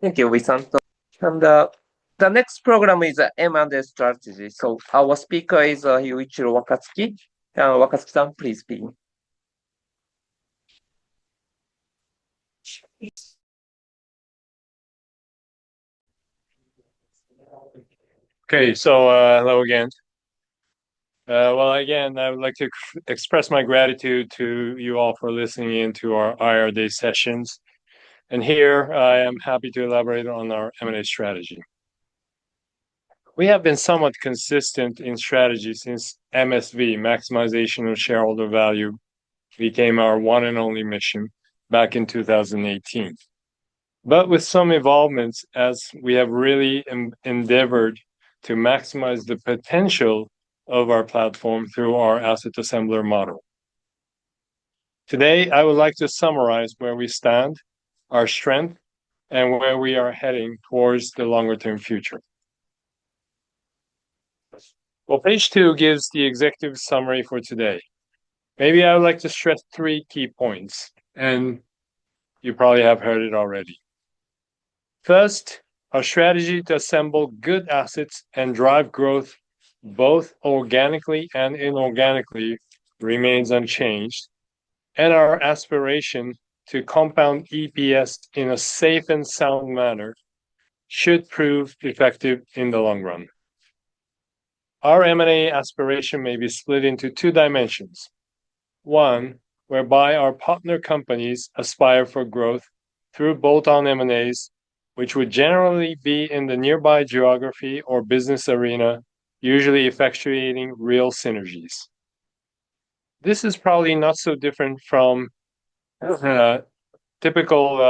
Thank you, Wee Siew-san. The next program is M&A strategy. Our speaker is Yuichiro Wakatsuki. Wakatsuki-san, please begin. Okay. So hello again. Well, again, I would like to express my gratitude to you all for listening in to our IRD sessions. And here I am happy to elaborate on our M&A strategy. We have been somewhat consistent in strategy since MSV, maximization of shareholder value, became our one and only mission back in 2018. But with some evolvements, we have really endeavored to maximize the potential of our platform through our asset assembler model. Today, I would like to summarize where we stand, our strength, and where we are heading towards the longer-term future. Well, page two gives the executive summary for today. Maybe I would like to stress three key points, and you probably have heard it already. First, our strategy to assemble good assets and drive growth both organically and inorganically remains unchanged, and our aspiration to compound EPS in a safe and sound manner should prove effective in the long run. Our M&A aspiration may be split into two dimensions. One, whereby our partner companies aspire for growth through bolt-on M&As, which would generally be in the nearby geography or business arena, usually effectuating real synergies. This is probably not so different from typical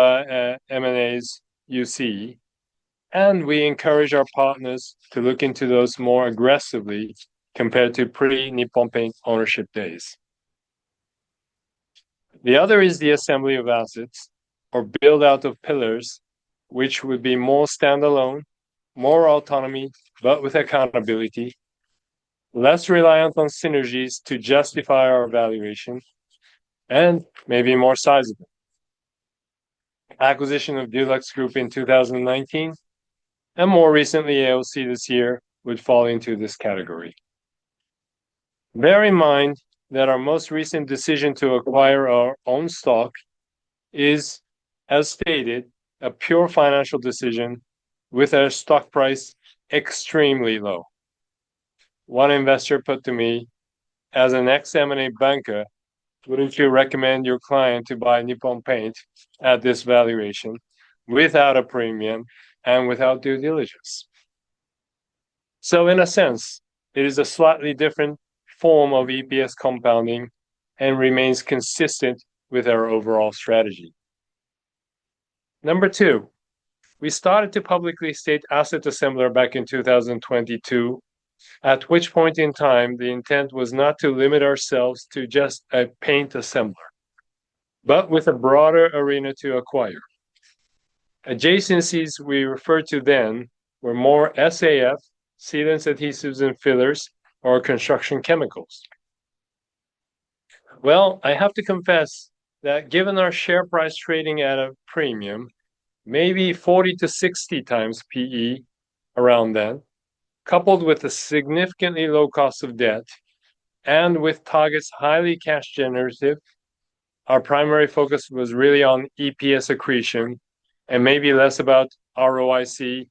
M&As you see. We encourage our partners to look into those more aggressively compared to pre-Nippon Paint ownership days. The other is the assembly of assets or build-out of pillars, which would be more standalone, more autonomy, but with accountability, less reliance on synergies to justify our valuation, and maybe more sizable. Acquisition of DuluxGroup in 2019, and more recently, AOC this year would fall into this category. Bear in mind that our most recent decision to acquire our own stock is, as stated, a pure financial decision with a stock price extremely low. One investor put to me, "As an ex-M&A banker, wouldn't you recommend your client to buy Nippon Paint at this valuation without a premium and without due diligence?" So in a sense, it is a slightly different form of EPS compounding and remains consistent with our overall strategy. Number two, we started to publicly state asset assembler back in 2022, at which point in time the intent was not to limit ourselves to just a paint assembler, but with a broader arena to acquire. Adjacencies we referred to then were more SAF, sealants, adhesives, and fillers, or construction chemicals. Well, I have to confess that given our share price trading at a premium, maybe 40-60 times PE around then, coupled with a significantly low cost of debt and with targets highly cash-generative, our primary focus was really on EPS accretion and maybe less about ROIC,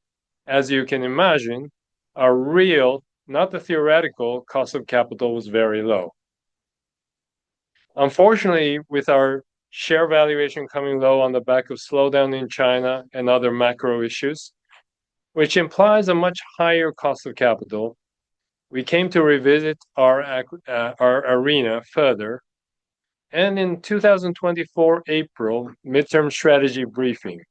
as you can imagine. A real, not the theoretical, cost of capital was very low. Unfortunately, with our share valuation coming low on the back of slowdown in China and other macro issues, which implies a much higher cost of capital, we came to revisit our arena further. In 2024 April midterm strategy briefing,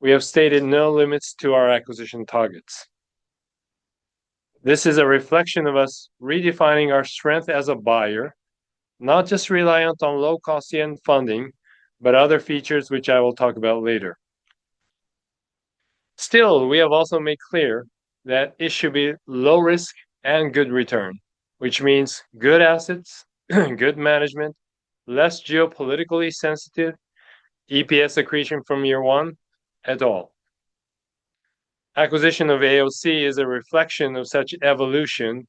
we have stated no limits to our acquisition targets. This is a reflection of us redefining our strength as a buyer, not just reliant on low-cost yen funding, but other features which I will talk about later. Still, we have also made clear that it should be low risk and good return, which means good assets, good management, less geopolitically sensitive EPS accretion from year one at all. Acquisition of AOC is a reflection of such evolution,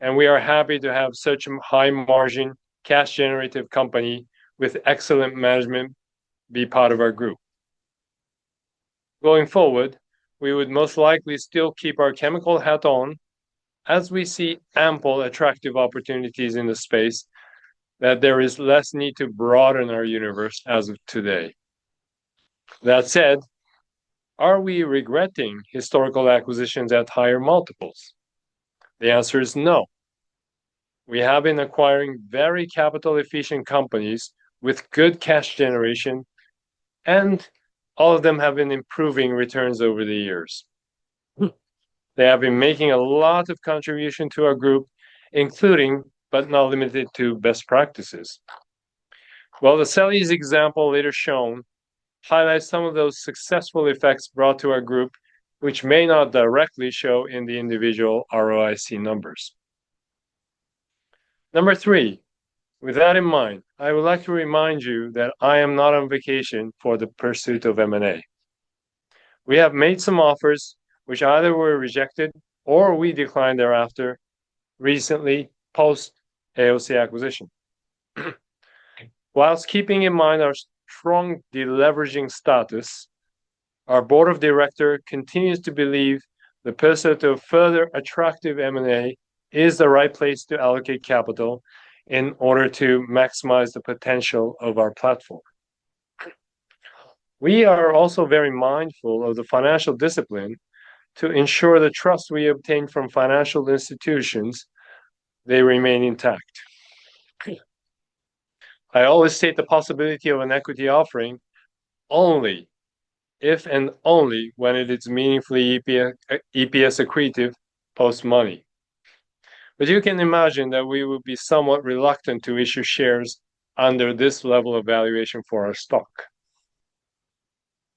and we are happy to have such a high-margin, cash-generative company with excellent management be part of our group. Going forward, we would most likely still keep our chemical hat on as we see ample attractive opportunities in the space that there is less need to broaden our universe as of today. That said, are we regretting historical acquisitions at higher multiples? The answer is no. We have been acquiring very capital-efficient companies with good cash generation, and all of them have been improving returns over the years. They have been making a lot of contribution to our group, including, but not limited to, best practices. Well, the Selleys example later shown highlights some of those successful effects brought to our group, which may not directly show in the individual ROIC numbers. Number three, with that in mind, I would like to remind you that I am not on vacation for the pursuit of M&A. We have made some offers which either were rejected or we declined thereafter recently post-AOC acquisition. While keeping in mind our strong deleveraging status, our board of directors continues to believe the pursuit of further attractive M&A is the right place to allocate capital in order to maximize the potential of our platform. We are also very mindful of the financial discipline to ensure the trust we obtain from financial institutions, they remain intact. I always state the possibility of an equity offering only if and only when it is meaningfully EPS accretive post-money. But you can imagine that we would be somewhat reluctant to issue shares under this level of valuation for our stock.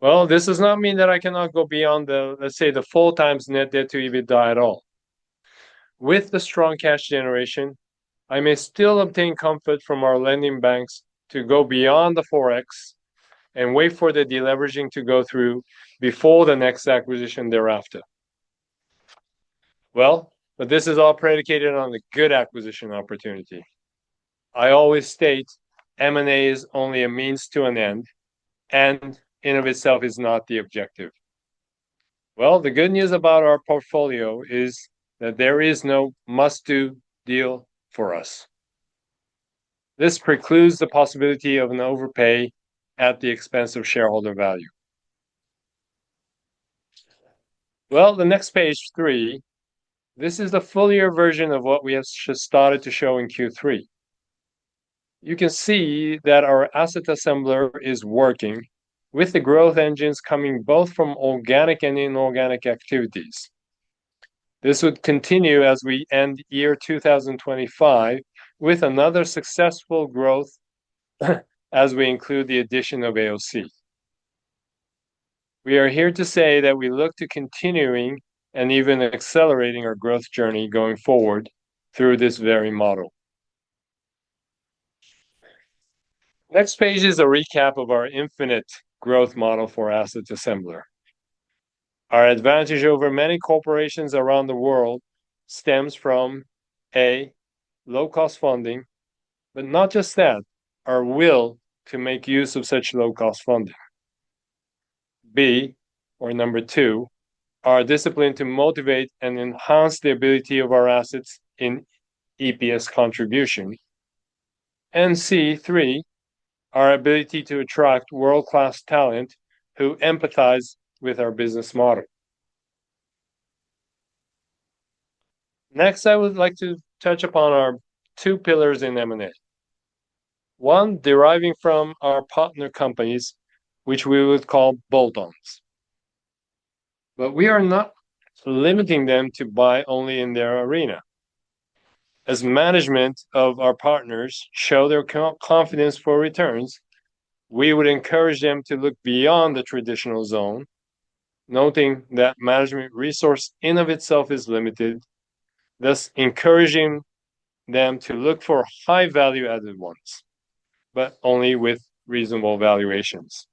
Well, this does not mean that I cannot go beyond the, let's say, the 4 times net debt to EBITDA at all. With the strong cash generation, I may still obtain comfort from our lending banks to go beyond the 4x and wait for the deleveraging to go through before the next acquisition thereafter. Well, but this is all predicated on a good acquisition opportunity. I always state M&A is only a means to an end and in and of itself is not the objective. Well, the good news about our portfolio is that there is no must-do deal for us. This precludes the possibility of an overpay at the expense of shareholder value. Well, the next page 3, this is the fuller version of what we have started to show in Q3. You can see that our asset assembly is working with the growth engines coming both from organic and inorganic activities. This would continue as we end year 2025 with another successful growth as we include the addition of AOC. We are here to say that we look to continuing and even accelerating our growth journey going forward through this very model. Next page is a recap of our inorganic growth model for asset assembly. Our advantage over many corporations around the world stems from: A, low-cost funding, but not just that, our will to make use of such low-cost funding. B, or number two, our discipline to motivate and enhance the ability of our assets in EPS contribution. C-3, our ability to attract world-class talent who empathize with our business model. Next, I would like to touch upon our 2 pillars in M&A. One deriving from our partner companies, which we would call bolt-ons. But we are not limiting them to buy only in their arena. As management of our partners show their confidence for returns, we would encourage them to look beyond the traditional zone, noting that management resource in and of itself is limited, thus encouraging them to look for high-value added ones, but only with reasonable valuations.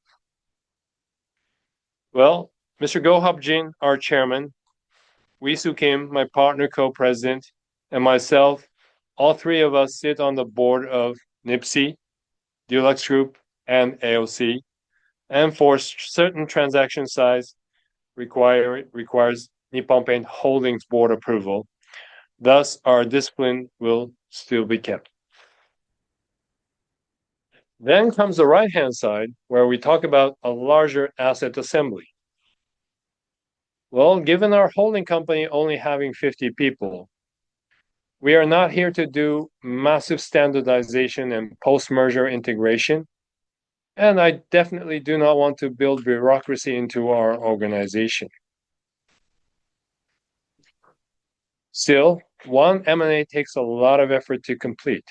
Well, Mr. Goh Hup Jin, our chairman, Wee Siew Kim, my partner Co-President, and myself, all three of us sit on the board of Nippon Paint, DuluxGroup, and AOC, and for certain transaction size, requires Nippon Paint Holdings' board approval. Thus, our discipline will still be kept. Then comes the right-hand side where we talk about a larger asset assembly. Well, given our holding company only having 50 people, we are not here to do massive standardization and post-merger integration, and I definitely do not want to build bureaucracy into our organization. Still, one M&A takes a lot of effort to complete: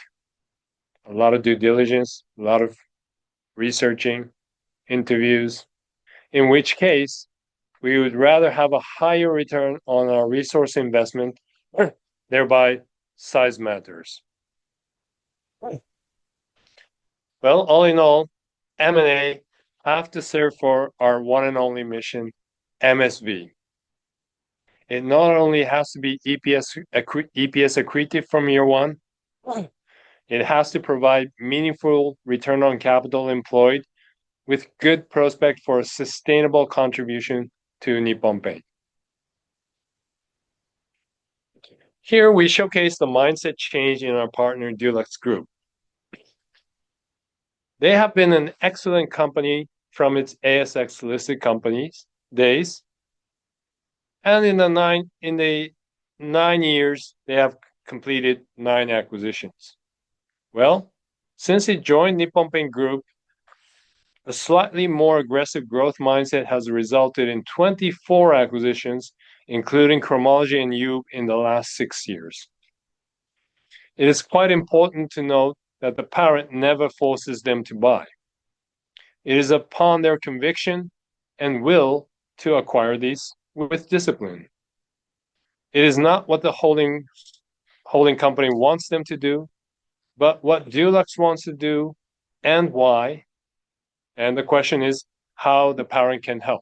a lot of due diligence, a lot of researching, interviews, in which case we would rather have a higher return on our resource investment, thereby size matters. Well, all in all, M&A have to serve for our one and only mission, MSV. It not only has to be EPS accretive from year one, it has to provide meaningful return on capital employed with good prospect for a sustainable contribution to Nippon Paint. Here, we showcase the mindset change in our partner, Dulux Group. They have been an excellent company from its ASX-listed companies days, and in the 9 years, they have completed 9 acquisitions. Well, since it joined Nippon Paint Group, a slightly more aggressive growth mindset has resulted in 24 acquisitions, including Cromology and JUB in the last 6 years. It is quite important to note that the parent never forces them to buy. It is upon their conviction and will to acquire these with discipline. It is not what the holding company wants them to do, but what DuluxGroup wants to do and why, and the question is how the parent can help.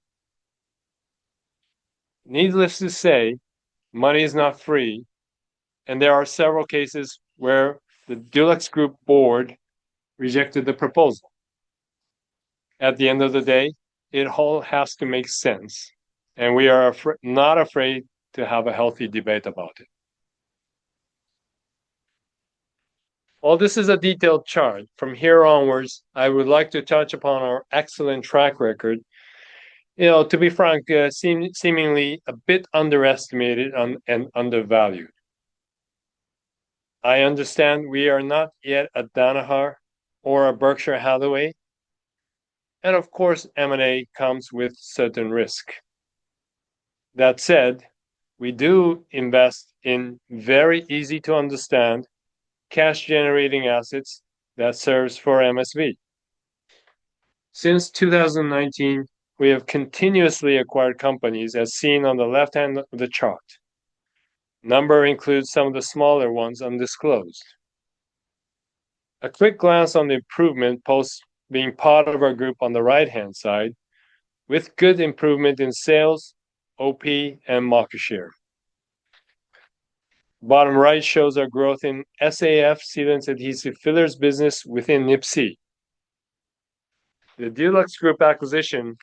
Needless to say, money is not free, and there are several cases where the DuluxGroup board rejected the proposal. At the end of the day, it all has to make sense, and we are not afraid to have a healthy debate about it. Well, this is a detailed chart. From here onwards, I would like to touch upon our excellent track record, you know, to be frank, seemingly a bit underestimated and undervalued. I understand we are not yet a Danaher or a Berkshire Hathaway, and of course, M&A comes with certain risk. That said, we do invest in very easy-to-understand, cash-generating assets that serve for MSV. Since 2019, we have continuously acquired companies, as seen on the left-hand of the chart. Number includes some of the smaller ones undisclosed. A quick glance on the improvement post being part of our group on the right-hand side, with good improvement in sales, OP, and market share. Bottom right shows our growth in SAF, sealants, adhesives, fillers business within Nippon Paint. The DuluxGroup acquisition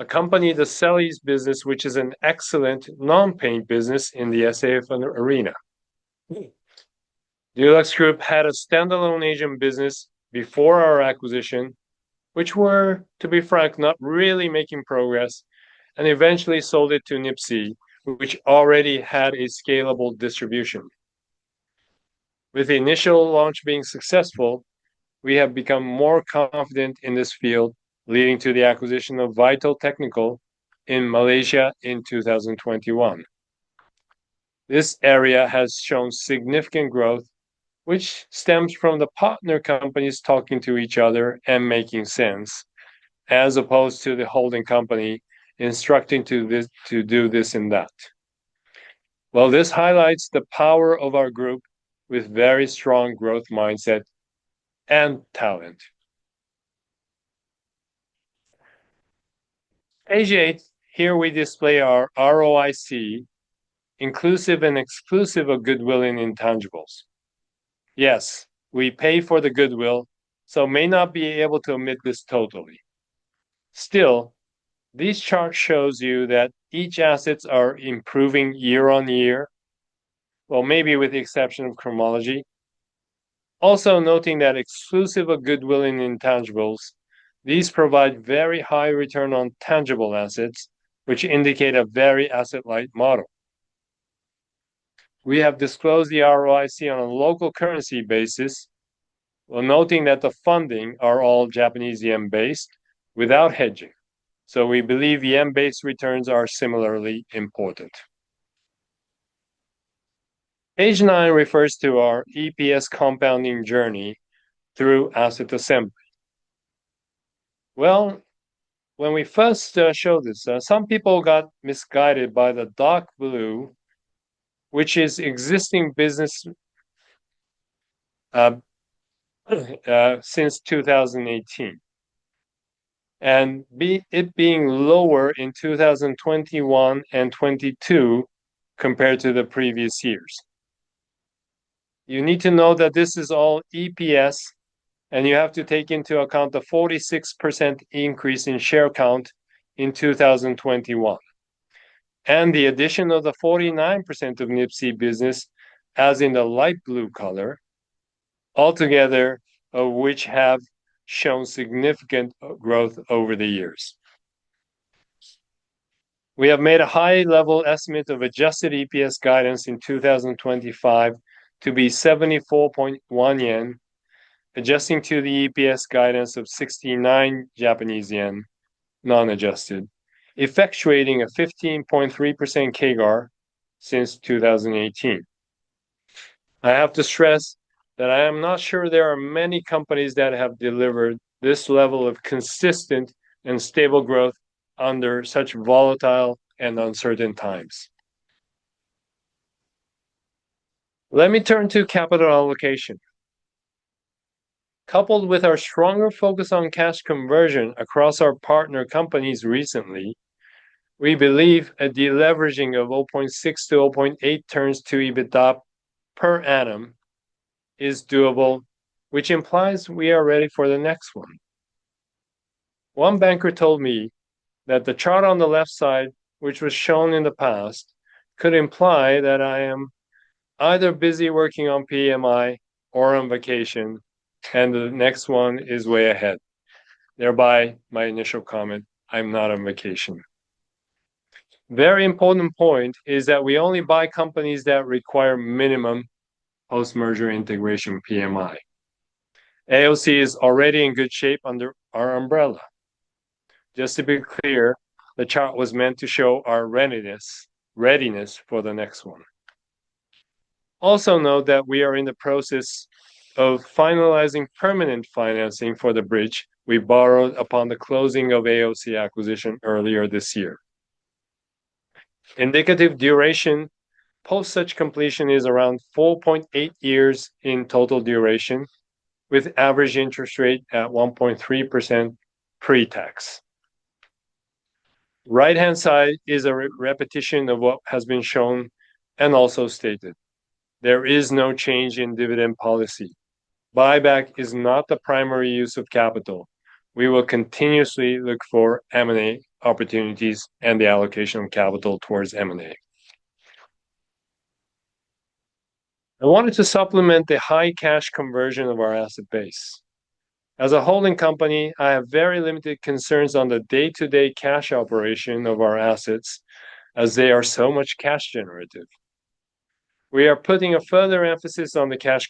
accompanied the Selleys business, which is an excellent non-paint business in the SAF arena. DuluxGroup had a standalone Asian business before our acquisition, which were, to be frank, not really making progress, and eventually sold it to Nippon Paint, which already had a scalable distribution. With the initial launch being successful, we have become more confident in this field, leading to the acquisition of Vital Technical in Malaysia in 2021. This area has shown significant growth, which stems from the partner companies talking to each other and making sense, as opposed to the holding company instructing to do this and that. Well, this highlights the power of our group with a very strong growth mindset and talent. Page 8, here we display our ROIC, inclusive and exclusive of goodwill and intangibles. Yes, we pay for the goodwill, so may not be able to omit this totally. Still, this chart shows you that each asset is improving year on year, well, maybe with the exception of Cromology. Also, noting that exclusive of goodwill and intangibles, these provide very high return on tangible assets, which indicate a very asset-light model. We have disclosed the ROIC on a local currency basis, well, noting that the funding is all Japanese yen-based without hedging, so we believe yen-based returns are similarly important. Page 9 refers to our EPS compounding journey through asset assembly. Well, when we first showed this, some people got misguided by the dark blue, which is existing business since 2018, and it being lower in 2021 and 2022 compared to the previous years. You need to know that this is all EPS, and you have to take into account the 46% increase in share count in 2021, and the addition of the 49% of Nippon Paint business, as in the light blue color, altogether of which have shown significant growth over the years. We have made a high-level estimate of adjusted EPS guidance in 2025 to be 74.1 yen, adjusting to the EPS guidance of 69 Japanese yen non-adjusted, effectuating a 15.3% CAGR since 2018. I have to stress that I am not sure there are many companies that have delivered this level of consistent and stable growth under such volatile and uncertain times. Let me turn to capital allocation. Coupled with our stronger focus on cash conversion across our partner companies recently, we believe a deleveraging of 0.6-0.8 turns to EBITDA per annum is doable, which implies we are ready for the next one. One banker told me that the chart on the left side, which was shown in the past, could imply that I am either busy working on PMI or on vacation, and the next one is way ahead. Thereby, my initial comment: I'm not on vacation. A very important point is that we only buy companies that require minimum post-merger integration PMI. AOC is already in good shape under our umbrella. Just to be clear, the chart was meant to show our readiness for the next one. Also, note that we are in the process of finalizing permanent financing for the bridge we borrowed upon the closing of AOC acquisition earlier this year. Indicative duration post such completion is around 4.8 years in total duration, with average interest rate at 1.3% pre-tax. The right-hand side is a repetition of what has been shown and also stated. There is no change in dividend policy. Buyback is not the primary use of capital. We will continuously look for M&A opportunities and the allocation of capital towards M&A. I wanted to supplement the high cash conversion of our asset base. As a holding company, I have very limited concerns on the day-to-day cash operation of our assets, as they are so much cash generative. We are putting a further emphasis on the cash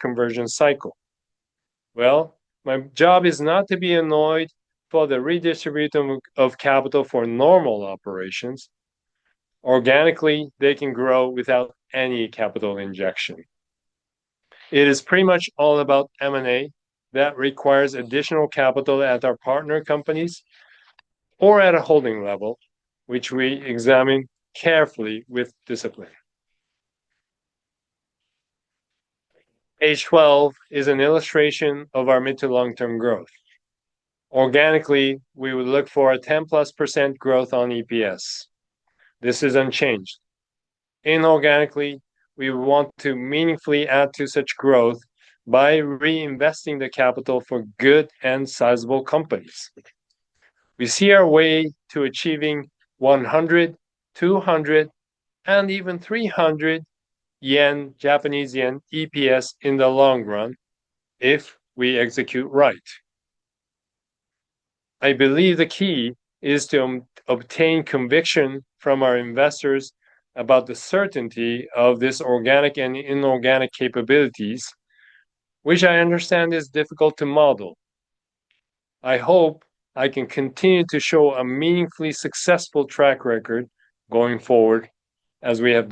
conversion cycle. Well, my job is not to be annoyed for the redistribution of capital for normal operations. Organically, they can grow without any capital injection. It is pretty much all about M&A that requires additional capital at our partner companies or at a holding level, which we examine carefully with discipline. Page 12 is an illustration of our mid to long-term growth. Organically, we would look for a 10%+ growth on EPS. This is unchanged. Inorganically, we would want to meaningfully add to such growth by reinvesting the capital for good and sizable companies. We see our way to achieving 100, 200, and even 300 yen Japanese Yen EPS in the long run if we execute right. I believe the key is to obtain conviction from our investors about the certainty of these organic and inorganic capabilities, which I understand is difficult to model. I hope I can continue to show a meaningfully successful track record going forward, as we have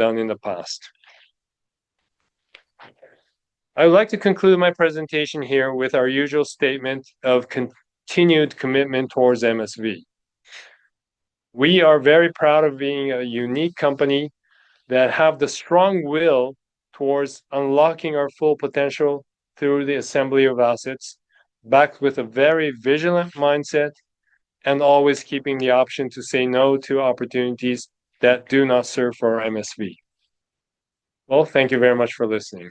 done in the past. I would like to conclude my presentation here with our usual statement of continued commitment towards MSV. We are very proud of being a unique company that has the strong will towards unlocking our full potential through the assembly of assets, backed with a very vigilant mindset and always keeping the option to say no to opportunities that do not serve for our MSV. Well, thank you very much for listening.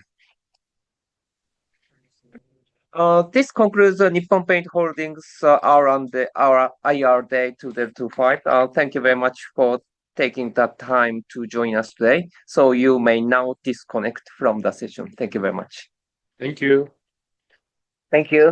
This concludes Nippon Paint Holdings' IR Day 2025. Thank you very much for taking the time to join us today, so you may now disconnect from the session. Thank you very much. Thank you. Thank you.